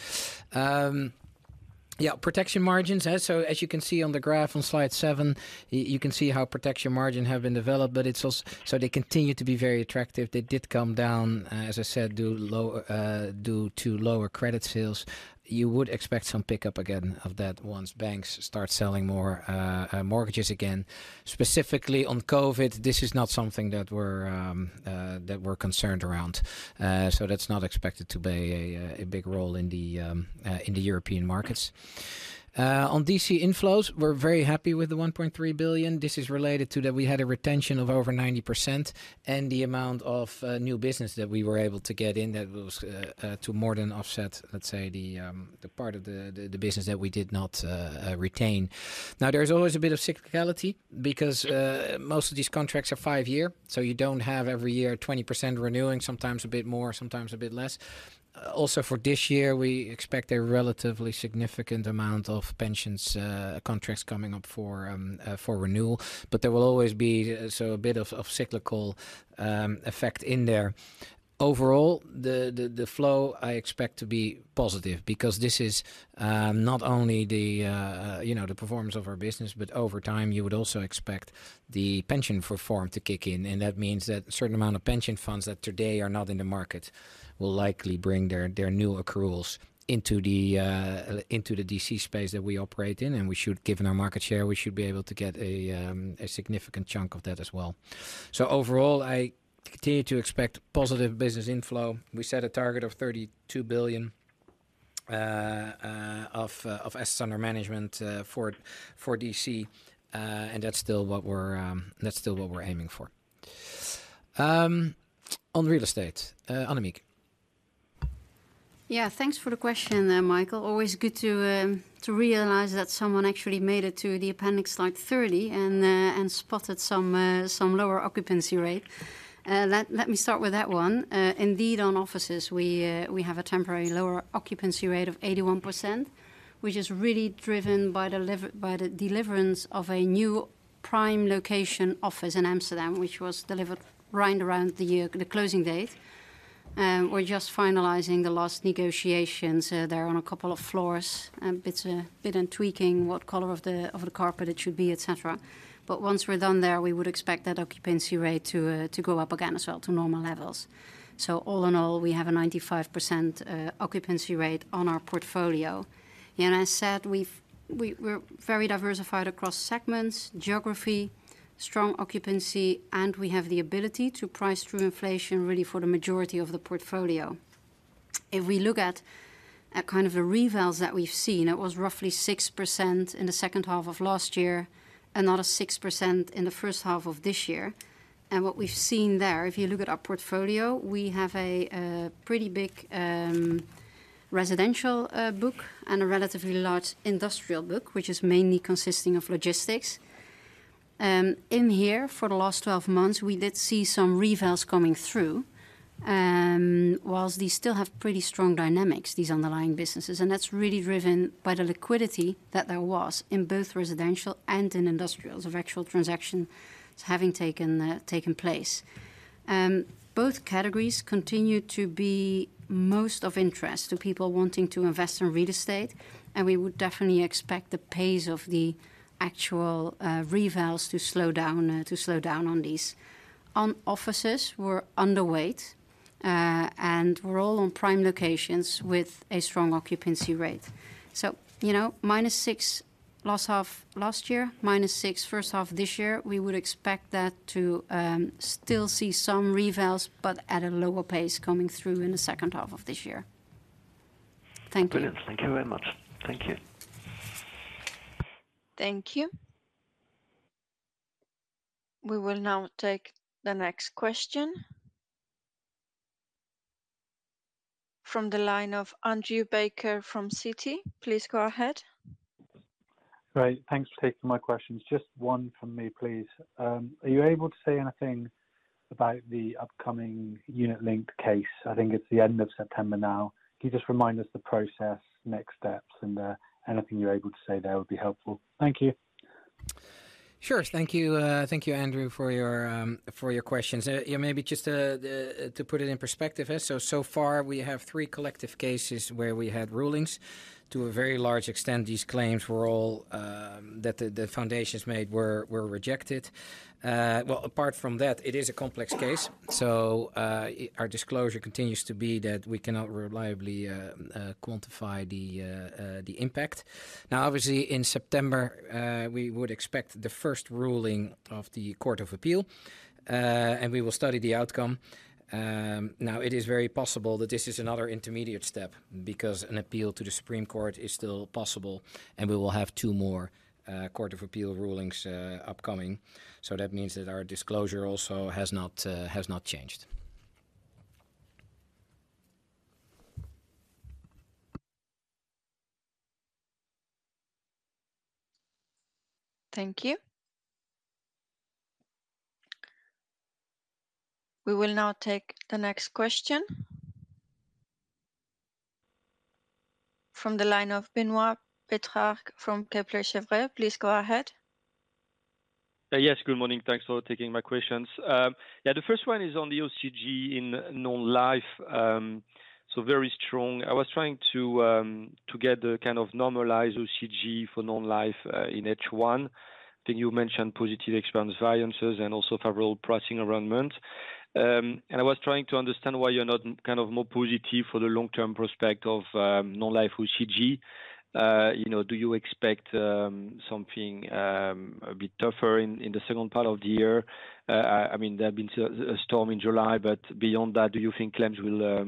Yeah, protection margins, so as you can see on the graph on slide 7, you can see how protection margin have been developed, but it's also so they continue to be very attractive. They did come down, as I said, due to lower credit sales. You would expect some pickup again of that once banks start selling more mortgages again. Specifically on COVID, this is not something that we're that we're concerned around. So that's not expected to play a big role in the European markets. On DC inflows, we're very happy with the 1.3 billion. This is related to that we had a retention of over 90% and the amount of new business that we were able to get in, that was to more than offset, let's say, the part of the business that we did not retain. Now, there's always a bit of cyclicality because most of these contracts are 5-year, so you don't have every year 20% renewing, sometimes a bit more, sometimes a bit less. Also for this year, we expect a relatively significant amount of pensions contracts coming up for renewal. But there will always be so a bit of cyclical effect in there. Overall, the flow I expect to be positive, because this is not only the, you know, the performance of our business, but over time you would also expect the pension reform to kick in. And that means that a certain amount of pension funds that today are not in the market, will likely bring their new accruals into the DC space that we operate in. And we should. Given our market share, we should be able to get a significant chunk of that as well. So overall, I continue to expect positive business inflow. We set a target of 32 billion of assets under management for DC. And that's still what we're aiming for. On real estate, Annemiek? Yeah, thanks for the question there, Michael. Always good to realize that someone actually made it to the appendix slide 30, and spotted some lower occupancy rate. Let me start with that one. Indeed, on offices, we have a temporary lower occupancy rate of 81%, which is really driven by the deliverance of a new prime location office in Amsterdam, which was delivered right around the year, the closing date. We're just finalizing the last negotiations there on a couple of floors, bit and tweaking what color of the carpet it should be, et cetera. But once we're done there, we would expect that occupancy rate to go up again as well to normal levels. So all in all, we have a 95% occupancy rate on our portfolio. And I said, we've, we're very diversified across segments, geography, strong occupancy, and we have the ability to price through inflation, really, for the majority of the portfolio. If we look at kind of the revals that we've seen, it was roughly 6% in the second half of last year, another 6% in the first half of this year. And what we've seen there, if you look at our portfolio, we have a pretty big residential book and a relatively large industrial book, which is mainly consisting of logistics. In here, for the last 12 months, we did see some revals coming through. Whilst these still have pretty strong dynamics, these underlying businesses, and that's really driven by the liquidity that there was in both residential and in industrials, of actual transactions having taken place. Both categories continue to be most of interest to people wanting to invest in real estate, and we would definitely expect the pace of the actual revals to slow down on these. On offices, we're underweight, and we're all on prime locations with a strong occupancy rate. So, you know, -6% last half, last year, -6% first half of this year, we would expect that to still see some revals, but at a lower pace coming through in the second half of this year. Thank you. Brilliant. Thank you very much. Thank you. Thank you. We will now take the next question from the line of Andrew Baker from Citi. Please go ahead. Great, thanks for taking my questions. Just one from me, please. Are you able to say anything about the upcoming unit-linked case? I think it's the end of September now. Can you just remind us the process, next steps, and anything you're able to say there would be helpful. Thank you. Sure. Thank you, thank you, Andrew, for your, for your questions. Yeah, maybe just to put it in perspective. So far, we have three collective cases where we had rulings. To a very large extent, these claims that the foundations made were rejected. Well, apart from that, it is a complex case, so our disclosure continues to be that we cannot reliably quantify the impact. Now, obviously, in September, we would expect the first ruling of the Court of Appeal, and we will study the outcome. Now, it is very possible that this is another intermediate step, because an appeal to the Supreme Court is still possible, and we will have two more Court of Appeal rulings upcoming. So that means that our disclosure also has not changed. Thank you. We will now take the next question from the line of Benoit Pétrarque from Kepler Cheuvreux. Please go ahead. Yes, good morning. Thanks for taking my questions. Yeah, the first one is on the OCG in Non-Life. So very strong. I was trying to get the kind of normalized OCG for Non-Life in H1. Then you mentioned positive expense variances and also several pricing arrangement. And I was trying to understand why you're not kind of more positive for the long-term prospect of Non-Life OCG. You know, do you expect something a bit tougher in the second part of the year? I mean, there have been a storm in July, but beyond that, do you think claims will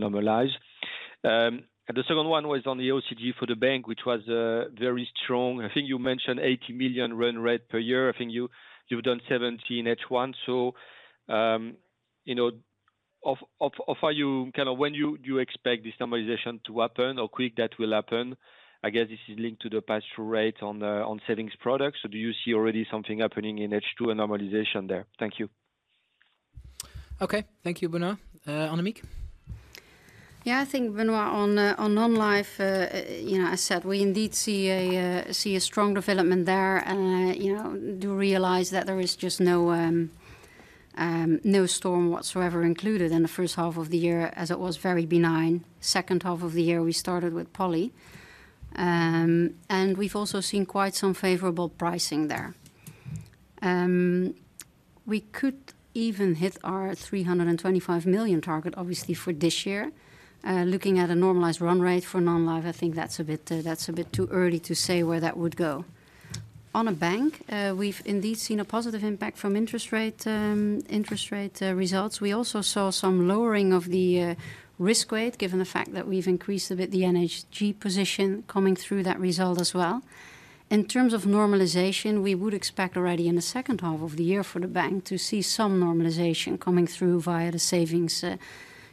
normalize? The second one was on the OCG for the Bank, which was very strong. I think you mentioned 80 million run rate per year. I think you, you've done 17 million H1, so, you know, of, are you kind of when you, you expect this normalization to happen or quick that will happen? I guess this is linked to the pass-through rate on the savings products. So do you see already something happening in H2, a normalization there? Thank you. Okay. Thank you, Benoit. Annemiek? Yeah, I think, Benoit, on Non-Life, you know, I said we indeed see a strong development there. And, you know, do realize that there is just no storm whatsoever included in the first half of the year, as it was very benign. Second half of the year, we started with Poly. And we've also seen quite some favorable pricing there. We could even hit our 325 million target, obviously, for this year. Looking at a normalized run rate for Non-Life, I think that's a bit too early to say where that would go. On a Bank, we've indeed seen a positive impact from interest rate results. We also saw some lowering of the risk weight, given the fact that we've increased a bit the NHG position coming through that result as well. In terms of normalization, we would expect already in the second half of the year for the bank to see some normalization coming through via the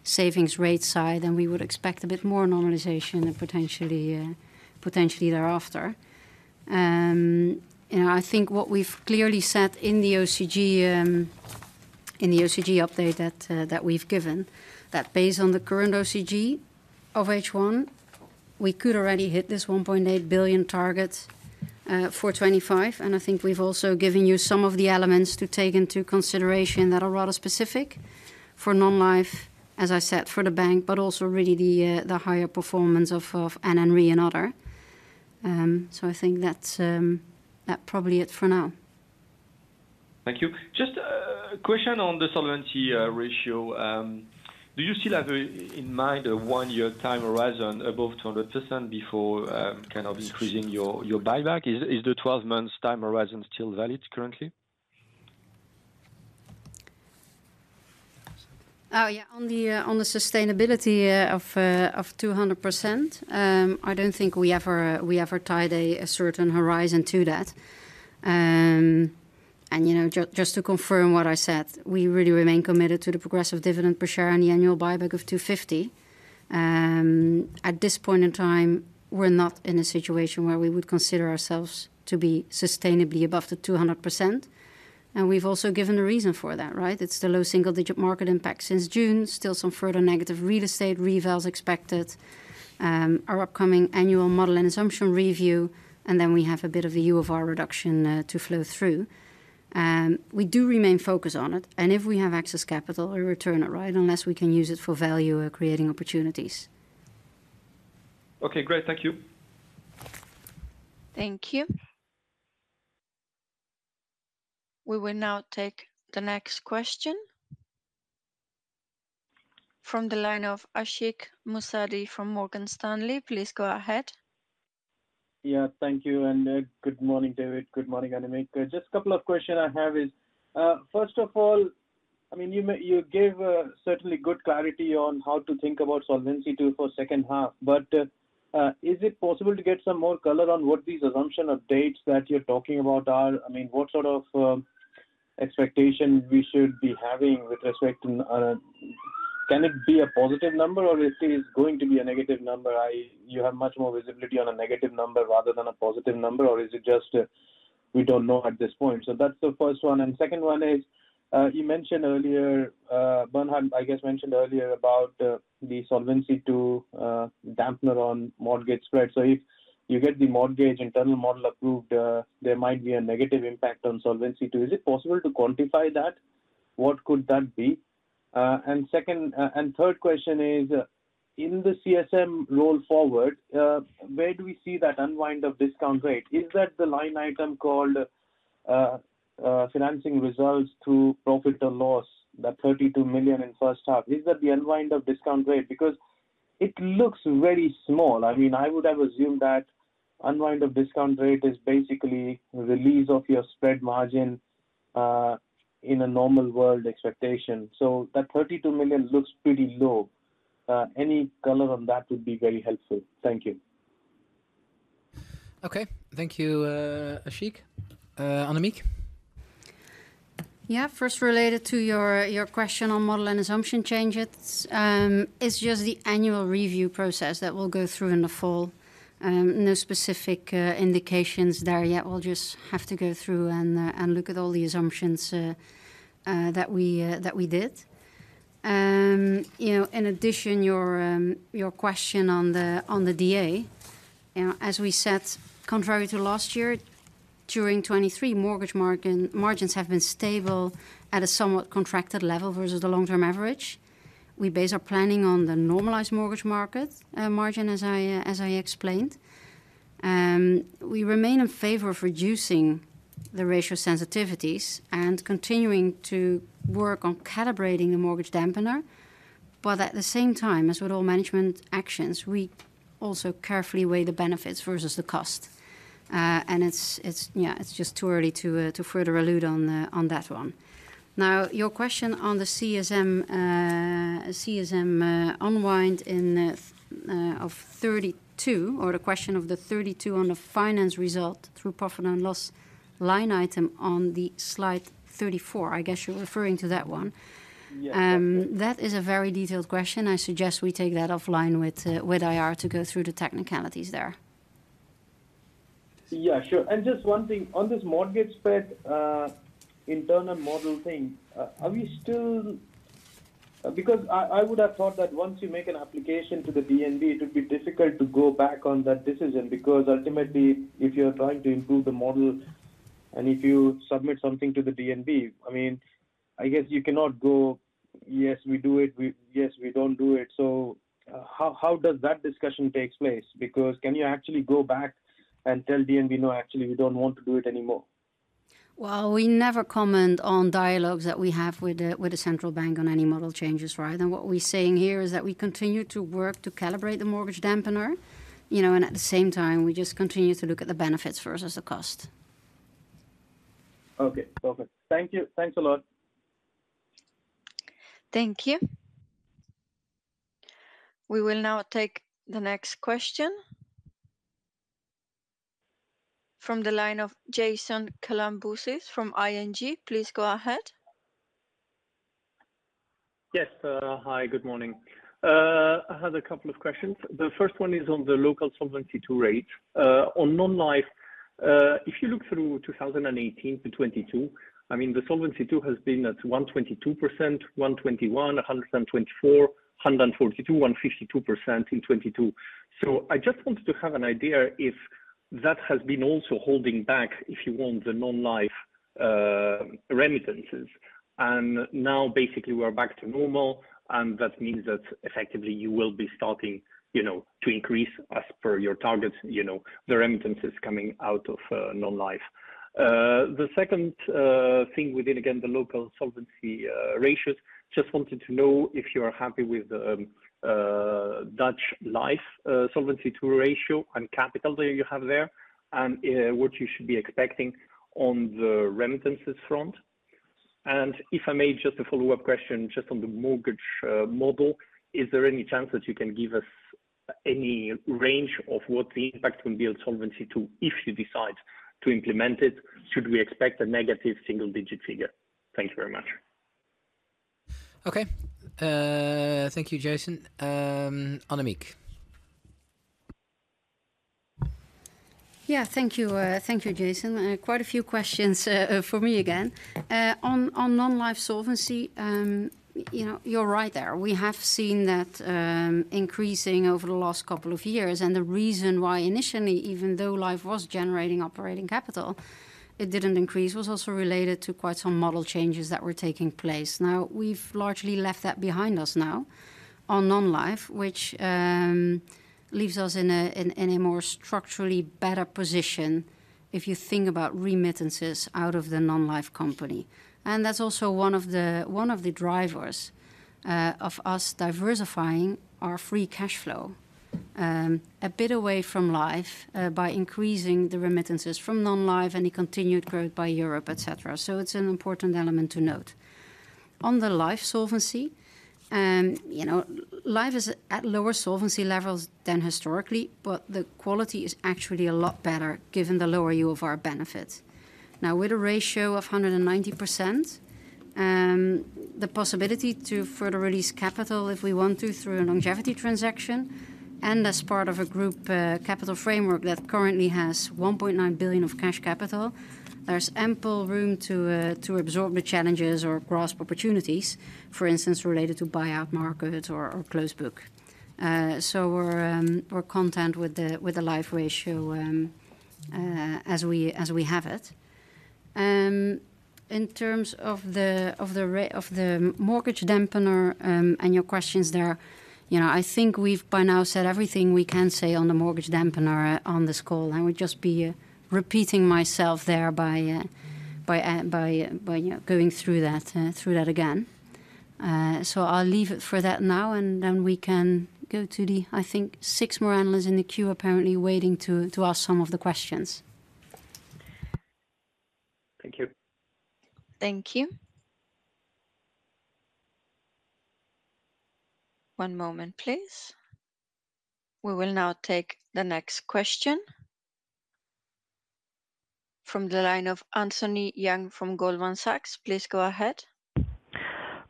savings rate side, and we would expect a bit more normalization and potentially thereafter. You know, I think what we've clearly said in the OCG update that we've given, that based on the current OCG of H1, we could already hit this 1.8 billion target for 2025. I think we've also given you some of the elements to take into consideration that are rather specific for Non-Life, as I said, for the Bank, but also really the higher performance of NN Re and Other. So I think that's probably it for now. Thank you. Just a question on the solvency ratio. Do you still have in mind a one-year time horizon above 200% before kind of increasing your buyback? Is the 12-month time horizon still valid currently? Oh, yeah. On the sustainability of 200%, I don't think we ever tied a certain horizon to that. And, you know, just to confirm what I said, we really remain committed to the progressive dividend per share on the annual buyback of 250 million. At this point in time, we're not in a situation where we would consider ourselves to be sustainably above the 200%, and we've also given a reason for that, right? It's the low single digit market impact since June. Still some further negative real estate revals expected, our upcoming annual model and assumption review, and then we have a bit of a UFR reduction to flow through. We do remain focused on it, and if we have excess capital, we return it, right? Unless we can use it for value or creating opportunities. Okay, great. Thank you. Thank you. We will now take the next question from the line of Ashik Musaddi from Morgan Stanley, please go ahead. Yeah, thank you, and good morning, David. Good morning, Annemiek. Just a couple of question I have is, first of all, I mean, you gave certainly good clarity on how to think about Solvency II for second half, but is it possible to get some more color on what these assumption updates that you're talking about are? I mean, what sort of expectation we should be having with respect to, can it be a positive number or it is going to be a negative number? You have much more visibility on a negative number rather than a positive number, or is it just we don't know at this point? So that's the first one. And second one is, you mentioned earlier, Bernhard, I guess, mentioned earlier about the Solvency II dampener on mortgage spread. So if you get the mortgage internal model approved, there might be a negative impact on Solvency II. Is it possible to quantify that? What could that be? And second, and third question is, in the CSM roll forward, where do we see that unwind of discount rate? Is that the line item called, financing results to profit or loss, the 32 million in first half? Is that the unwind of discount rate? Because it looks very small. I mean, I would have assumed that unwind of discount rate is basically release of your spread margin, in a normal world expectation. So that 32 million looks pretty low. Any color on that would be very helpful. Thank you. Okay. Thank you, Ashik. Annemiek? Yeah. First, related to your, your question on model and assumption changes, it's just the annual review process that we'll go through in the fall. No specific indications there yet. We'll just have to go through and, and look at all the assumptions, that we, that we did. You know, in addition, your, your question on the, on the DA. You know, as we said, contrary to last year, during 2023, mortgage margins have been stable at a somewhat contracted level versus the long-term average. We base our planning on the normalized mortgage market, margin, as I, as I explained. We remain in favor of reducing the ratio sensitivities and continuing to work on calibrating the mortgage dampener. But at the same time, as with all management actions, we also carefully weigh the benefits versus the cost. And it's, it's, yeah, it's just too early to further allude on that one. Now, your question on the CSM, CSM unwind in of 32, or the question of the 32 on the finance result through profit and loss line item on the slide 34. I guess you're referring to that one. Yeah. That is a very detailed question. I suggest we take that offline with IR to go through the technicalities there. Yeah, sure. And just one thing, on this mortgage spread, internal model thing, are we still—because I would have thought that once you make an application to the DNB, it would be difficult to go back on that decision. Because ultimately, if you are trying to improve the model, and if you submit something to the DNB, I mean, I guess you cannot go, "Yes, we do it. Yes, we don't do it." So, how does that discussion takes place? Because can you actually go back and tell DNB, "No, actually, we don't want to do it anymore? Well, we never comment on dialogues that we have with the, with the central bank on any model changes, right? What we're saying here is that we continue to work to calibrate the mortgage dampener, you know, and at the same time, we just continue to look at the benefits versus the cost. Okay, perfect. Thank you. Thanks a lot. Thank you. We will now take the next question from the line of Jason Kalamboussis from ING. Please go ahead. Yes, hi, good morning. I had a couple of questions. The first one is on the local Solvency II rate. On Non-Life, if you look through 2018 to 2022, I mean, the Solvency II has been at 122%, 121%, 124%, 142%, 152% in 2022. So I just wanted to have an idea if that has been also holding back, if you want, the Non-Life remittances. And now, basically, we're back to normal, and that means that effectively you will be starting, you know, to increase as per your targets, you know, the remittances coming out of Non-Life. The second thing within, again, the local solvency ratios, just wanted to know if you are happy with the Dutch Life Solvency II ratio and capital that you have there, and what you should be expecting on the remittances front. And if I may, just a follow-up question, just on the mortgage model, is there any chance that you can give us any range of what the impact will be on Solvency II, if you decide to implement it? Should we expect a negative single-digit figure? Thank you very much. Okay. Thank you, Jason. Annemiek. Yeah. Thank you, thank you, Jason. Quite a few questions from me again. On Non-Life solvency, you know, you're right there. We have seen that increasing over the last couple of years, and the reason why initially, even though Life was generating operating capital, it didn't increase, was also related to quite some model changes that were taking place. Now, we've largely left that behind us now on Non-Life, which leaves us in a more structurally better position if you think about remittances out of the Non-Life company. And that's also one of the drivers of us diversifying our free cash flow a bit away from Life by increasing the remittances from Non-Life and the continued growth in Europe, et cetera. So it's an important element to note. On the Life solvency, you know, Life is at lower solvency levels than historically, but the quality is actually a lot better given the lower UFR benefits. Now, with a ratio of 190%, the possibility to further release capital, if we want to, through a longevity transaction, and as part of a group, capital framework that currently has 1.9 billion of cash capital, there's ample room to, to absorb the challenges or grasp opportunities, for instance, related to buyout markets or, or closed book. So we're, we're content with the, with the Life ratio, as we, as we have it. In terms of the mortgage dampener and your questions there, you know, I think we've by now said everything we can say on the mortgage dampener on this call. I would just be repeating myself there by you know going through that again. So I'll leave it for that now, and then we can go to the, I think, six more analysts in the queue, apparently waiting to ask some of the questions. Thank you. Thank you. One moment, please. We will now take the next question from the line of Anthony Yang from Goldman Sachs. Please go ahead.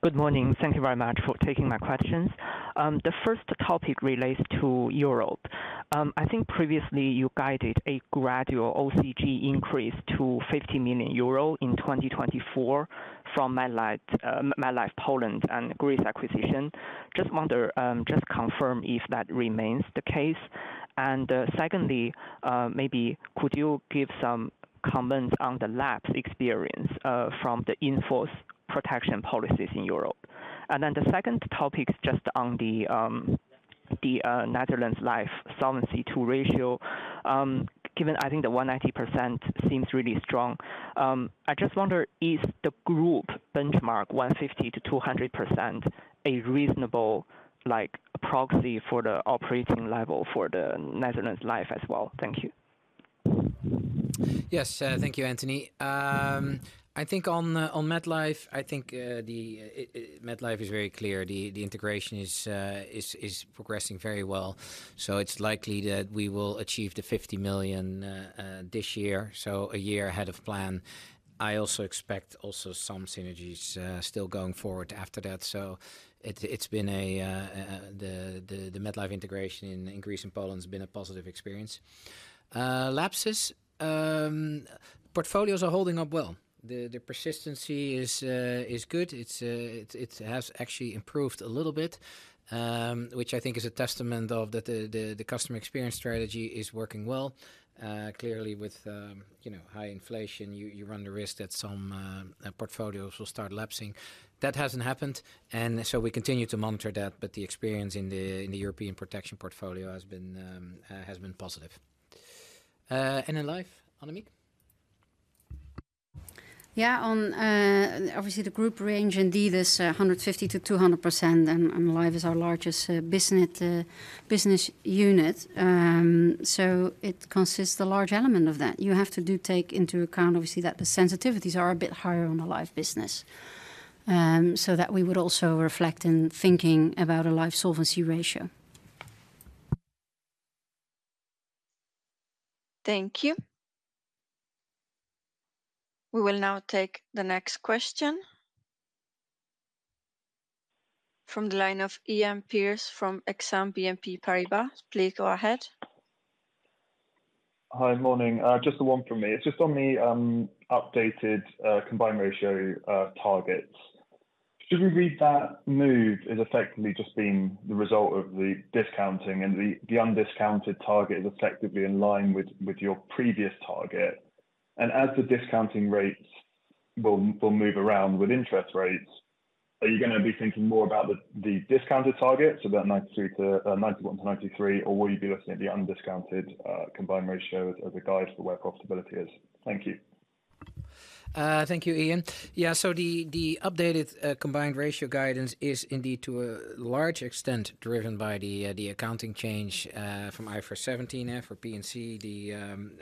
Good morning. Thank you very much for taking my questions. The first topic relates to Europe. I think previously you guided a gradual OCG increase to 50 million euro in 2024 from MetLife Poland and Greece acquisition. Just wonder, Just confirm if that remains the case. And, secondly, maybe could you give some comments on the lapse experience from the in-force protection policies in Europe? And then the second topic is just on the Netherlands Life Solvency II ratio. Given, I think, the 190% seems really strong, I just wonder, is the group benchmark 150%-200% a reasonable, like, proxy for the operating level for the Netherlands Life as well? Thank you. Yes, thank you, Anthony. I think on, on MetLife, I think, the MetLife is very clear. The, the integration is progressing very well, so it's likely that we will achieve the 50 million this year, so a year ahead of plan. I also expect also some synergies still going forward after that. So it's been a, the MetLife integration in Greece and Poland has been a positive experience. Lapses. Portfolios are holding up well. The persistency is good. It's, it has actually improved a little bit, which I think is a testament of that the customer experience strategy is working well. Clearly with, you know, high inflation, you run the risk that some portfolios will start lapsing. That hasn't happened, and so we continue to monitor that, but the experience in the European protection portfolio has been positive. And in Life, Annemiek? Yeah, on, obviously the group range indeed is 150%-200%, and Life is our largest business unit. So it consists a large element of that. You have to do take into account, obviously, that the sensitivities are a bit higher on the Life business. So that we would also reflect in thinking about a Life solvency ratio. Thank you. We will now take the next question from the line of Iain Pearce from Exane BNP Paribas. Please go ahead. Hi. Morning. Just the one from me. It's just on the updated combined ratio targets. Should we read that move as effectively just being the result of the discounting and the undiscounted target is effectively in line with your previous target? And as the discounting rates will move around with interest rates, are you gonna be thinking more about the discounted targets, about 91%-93%, or will you be looking at the undiscounted combined ratio as a guide to where profitability is? Thank you. Thank you, Iain. Yeah, so the updated combined ratio guidance is indeed to a large extent driven by the accounting change from IFRS 17. And for P&C,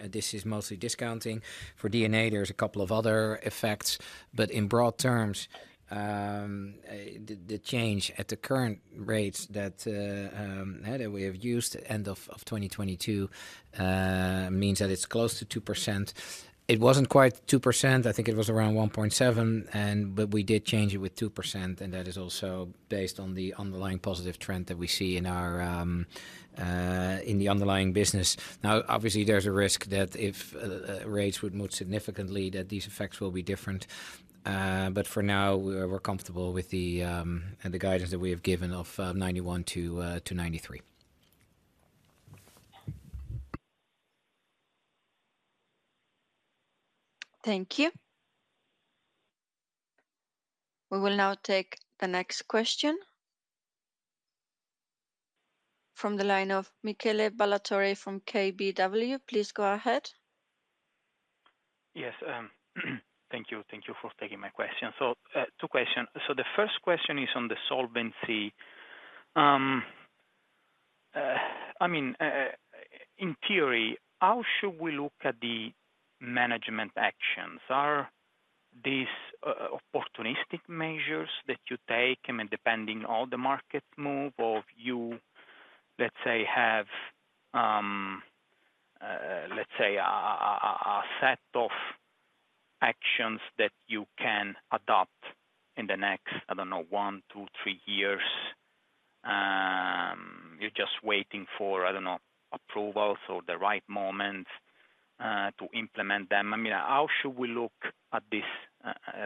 this is mostly discounting. For D&A, there's a couple of other effects, but in broad terms, the change at the current rates that we have used end of 2022 means that it's close to 2%. It wasn't quite 2%. I think it was around 1.7%, and but we did change it with 2%, and that is also based on the underlying positive trend that we see in our in the underlying business. Now, obviously, there's a risk that if rates would move significantly, that these effects will be different. But for now, we're comfortable with the guidance that we have given of 91%-93%. Thank you. We will now take the next question from the line of Michele Ballatore from KBW. Please go ahead. Yes, thank you. Thank you for taking my question. So, two question. So the first question is on the solvency. I mean, in theory, how should we look at the management actions? Are these, opportunistic measures that you take, I mean, depending on the market move, or you, let's say, have, let's say, a set of actions that you can adopt in the next, I don't know, one, two, three years? You're just waiting for, I don't know, approvals or the right moment, to implement them. I mean, how should we look at this,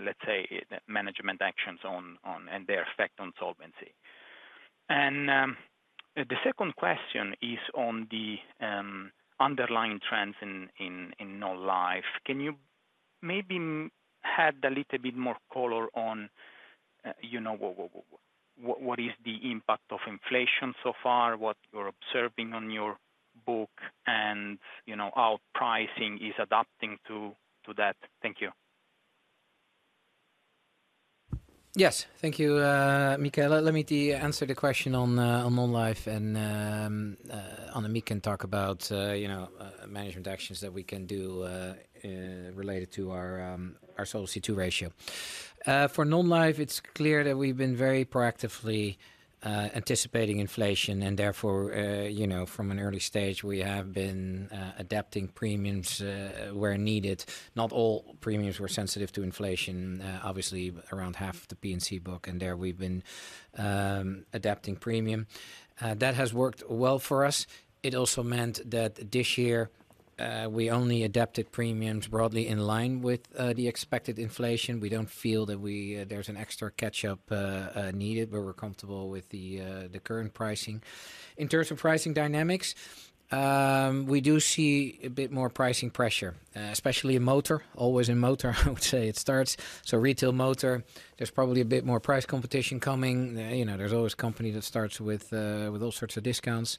let's say, management actions on and their effect on solvency? And, the second question is on the, underlying trends in Non-Life. Can you maybe add a little bit more color on, you know, what is the impact of inflation so far, what you're observing on your book, and, you know, how pricing is adapting to that? Thank you. Yes. Thank you, Michele. Let me answer the question on Non-Life, and Annemiek can talk about, you know, management actions that we can do related to our Solvency II ratio. For Non-Life, it's clear that we've been very proactively anticipating inflation, and therefore, you know, from an early stage, we have been adapting premiums where needed. Not all premiums were sensitive to inflation, obviously around half the P&C book, and there we've been adapting premium. That has worked well for us. It also meant that this year we only adapted premiums broadly in line with the expected inflation. We don't feel that there's an extra catch-up needed, but we're comfortable with the current pricing. In terms of pricing dynamics, we do see a bit more pricing pressure, especially in motor. Always in motor, I would say it starts. So retail motor, there's probably a bit more price competition coming. You know, there's always company that starts with, with all sorts of discounts.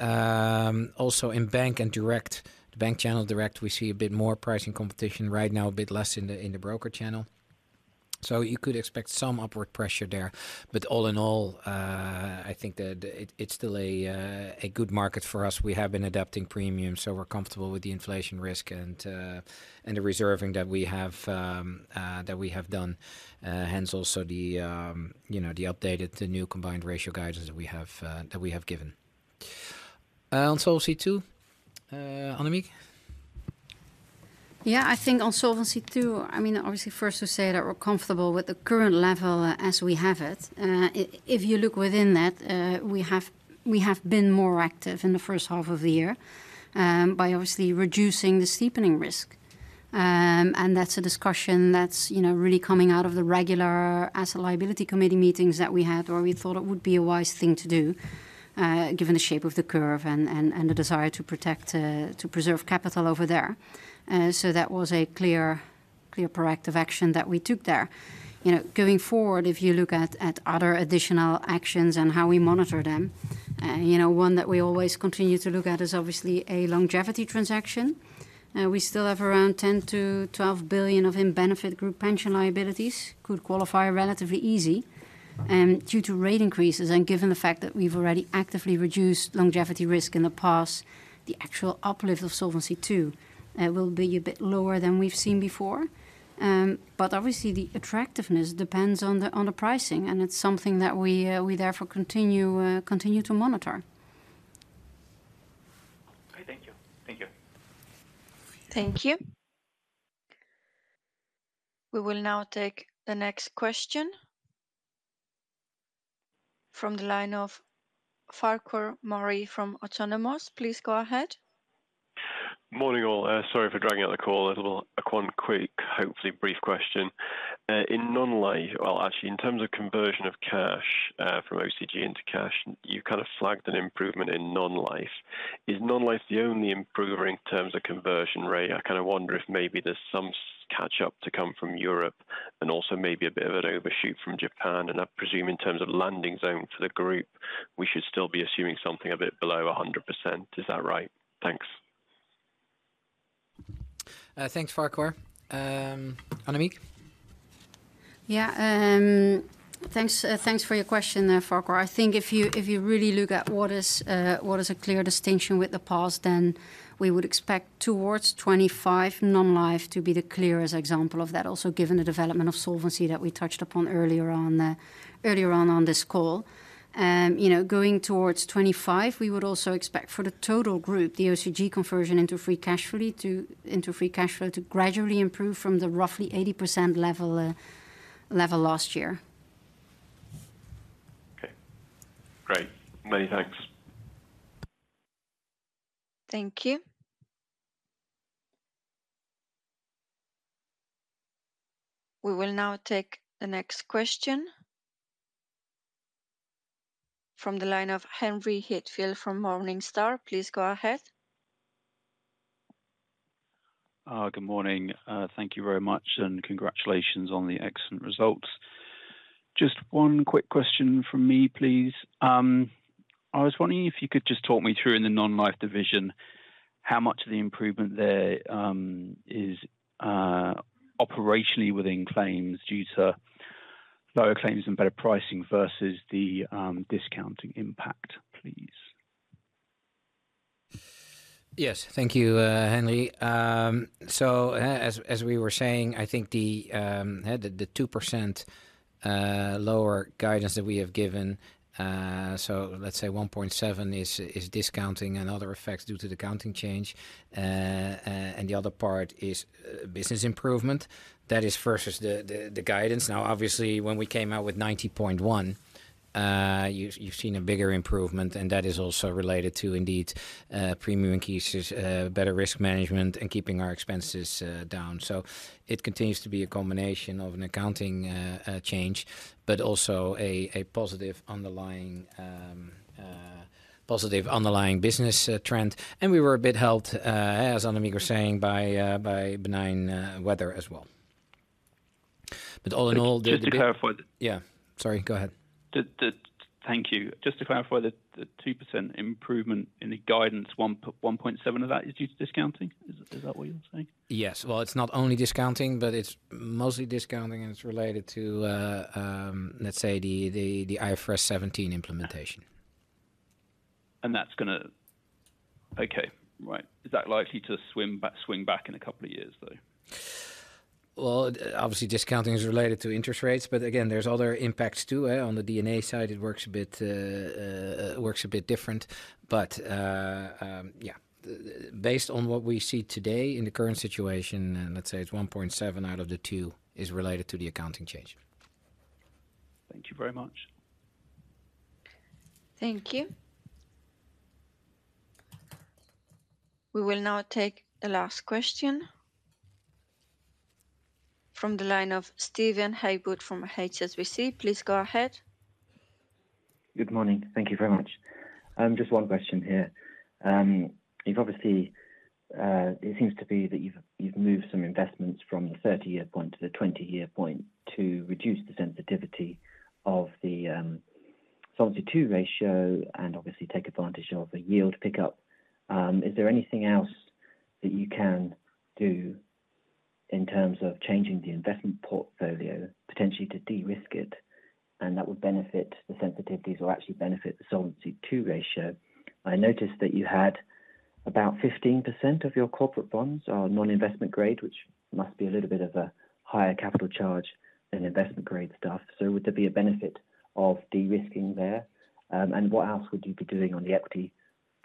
Also in bank and direct. The bank channel, direct, we see a bit more pricing competition right now, a bit less in the broker channel. So you could expect some upward pressure there. But all in all, I think that it's still a good market for us. We have been adapting premiums, so we're comfortable with the inflation risk and the reserving that we have done. Hence also the, you know, the updated, the new combined ratio guidance that we have, that we have given. On Solvency II, Annemiek? Yeah, I think on Solvency II, I mean, obviously, first to say that we're comfortable with the current level, as we have it. If you look within that, we have been more active in the first half of the year, by obviously reducing the steepening risk. And that's a discussion that's, you know, really coming out of the regular Asset Liability Committee meetings that we had, or we thought it would be a wise thing to do, given the shape of the curve and the desire to protect, to preserve capital over there. So that was a clear proactive action that we took there. You know, going forward, if you look at other additional actions and how we monitor them, you know, one that we always continue to look at is obviously a longevity transaction. We still have around 10 billion-12 billion of in-benefit group pension liabilities, could qualify relatively easy. Due to rate increases and given the fact that we've already actively reduced longevity risk in the past, the actual uplift of Solvency II will be a bit lower than we've seen before. But obviously, the attractiveness depends on the, on the pricing, and it's something that we, we therefore continue, continue to monitor. Okay, thank you. Thank you. Thank you. We will now take the next question from the line of Farquhar Murray from Autonomous. Please go ahead. Morning, all. Sorry for dragging out the call a little. One quick, hopefully brief question. In Non-Life - well, actually, in terms of conversion of cash from OCG into cash, you kind of flagged an improvement in Non-Life. Is Non-Life the only improver in terms of conversion rate? I kind of wonder if maybe there's some catch up to come from Europe and also maybe a bit of an overshoot from Japan. And I presume in terms of landing zone for the group, we should still be assuming something a bit below 100%. Is that right? Thanks. Thanks, Farquhar. Annemiek? Yeah, thanks, thanks for your question there, Farquhar. I think if you, if you really look at what is, what is a clear distinction with the past, then we would expect towards 2025, Non-Life to be the clearest example of that. Also, given the development of solvency that we touched upon earlier on, earlier on this call. You know, going towards 2025, we would also expect for the total group, the OCG conversion into free cash flow to, into free cash flow to gradually improve from the roughly 80% level, level last year. Okay. Great. Many thanks. Thank you. We will now take the next question from the line of Henry Heathfield from Morningstar. Please go ahead. Good morning. Thank you very much, and congratulations on the excellent results. Just one quick question from me, please. I was wondering if you could just talk me through in the Non-Life division, how much of the improvement there is operationally within claims due to lower claims and better pricing versus the discounting impact, please? Yes. Thank you, Henry. So as we were saying, I think the 2% lower guidance that we have given, so let's say 1.7% is discounting and other effects due to the accounting change. And the other part is business improvement. That is versus the guidance. Now, obviously, when we came out with 90.1%, you've seen a bigger improvement, and that is also related to indeed premium increases, better risk management, and keeping our expenses down. So it continues to be a combination of an accounting change, but also a positive underlying business trend. And we were a bit helped, as Annemiek was saying, by benign weather as well. But all in all, Just to clarify... Yeah. Sorry, go ahead. Thank you. Just to clarify, the 2% improvement in the guidance, 1.7% of that is due to discounting? Is that what you're saying? Yes. Well, it's not only discounting, but it's mostly discounting, and it's related to, let's say, the IFRS 17 implementation. That's gonna, okay, right. Is that likely to swim back - swing back in a couple of years, though? Well, obviously, discounting is related to interest rates, but again, there's other impacts, too, on D&A side, it works a bit different. But, yeah, based on what we see today in the current situation, let's say it's 1.7% out of the 2% is related to the accounting change. Thank you very much. Thank you. We will now take the last question from the line of Steven Haywood from HSBC. Please go ahead. Good morning. Thank you very much. Just one question here. You've obviously, it seems to be that you've moved some investments from the 30-year point to the 20-year point to reduce the sensitivity of the Solvency II ratio, and obviously take advantage of a yield pickup. Is there anything else that you can do in terms of changing the investment portfolio, potentially to de-risk it, and that would benefit the sensitivities or actually benefit the Solvency II ratio? I noticed that you had about 15% of your corporate bonds are non-investment grade, which must be a little bit of a higher capital charge than investment grade stuff. So would there be a benefit of de-risking there? And what else would you be doing on the equity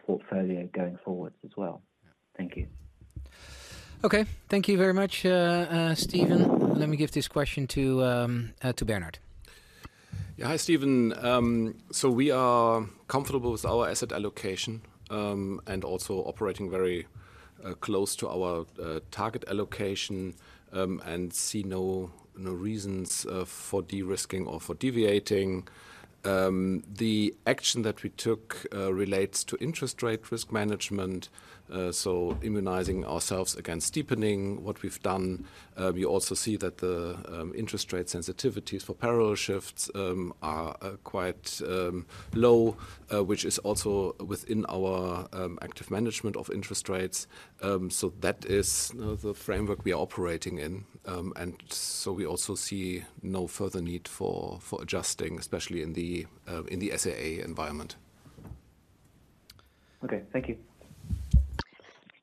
portfolio going forward as well? Thank you. Okay. Thank you very much, Steven. Let me give this question to Bernhard. Yeah. Hi, Steven. So we are comfortable with our asset allocation, and also operating very close to our target allocation, and see no reasons for de-risking or for deviating. The action that we took relates to interest rate risk management, so immunizing ourselves against steepening what we've done. We also see that the interest rate sensitivities for parallel shifts are quite low, which is also within our active management of interest rates. So that is the framework we are operating in. And so we also see no further need for adjusting, especially in the SAA environment. Okay. Thank you.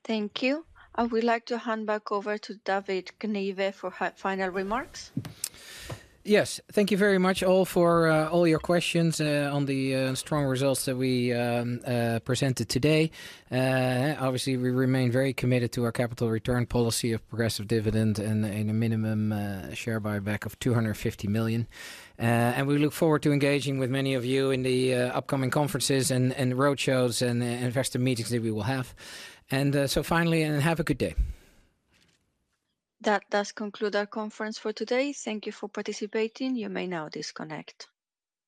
Thank you. I would like to hand back over to David Knibbe for her final remarks. Yes. Thank you very much all for all your questions on the strong results that we presented today. Obviously, we remain very committed to our capital return policy of progressive dividend and a minimum share buyback of 250 million. We look forward to engaging with many of you in the upcoming conferences and roadshows and investor meetings that we will have. So finally, have a good day. That does conclude our conference for today. Thank you for participating. You may now disconnect.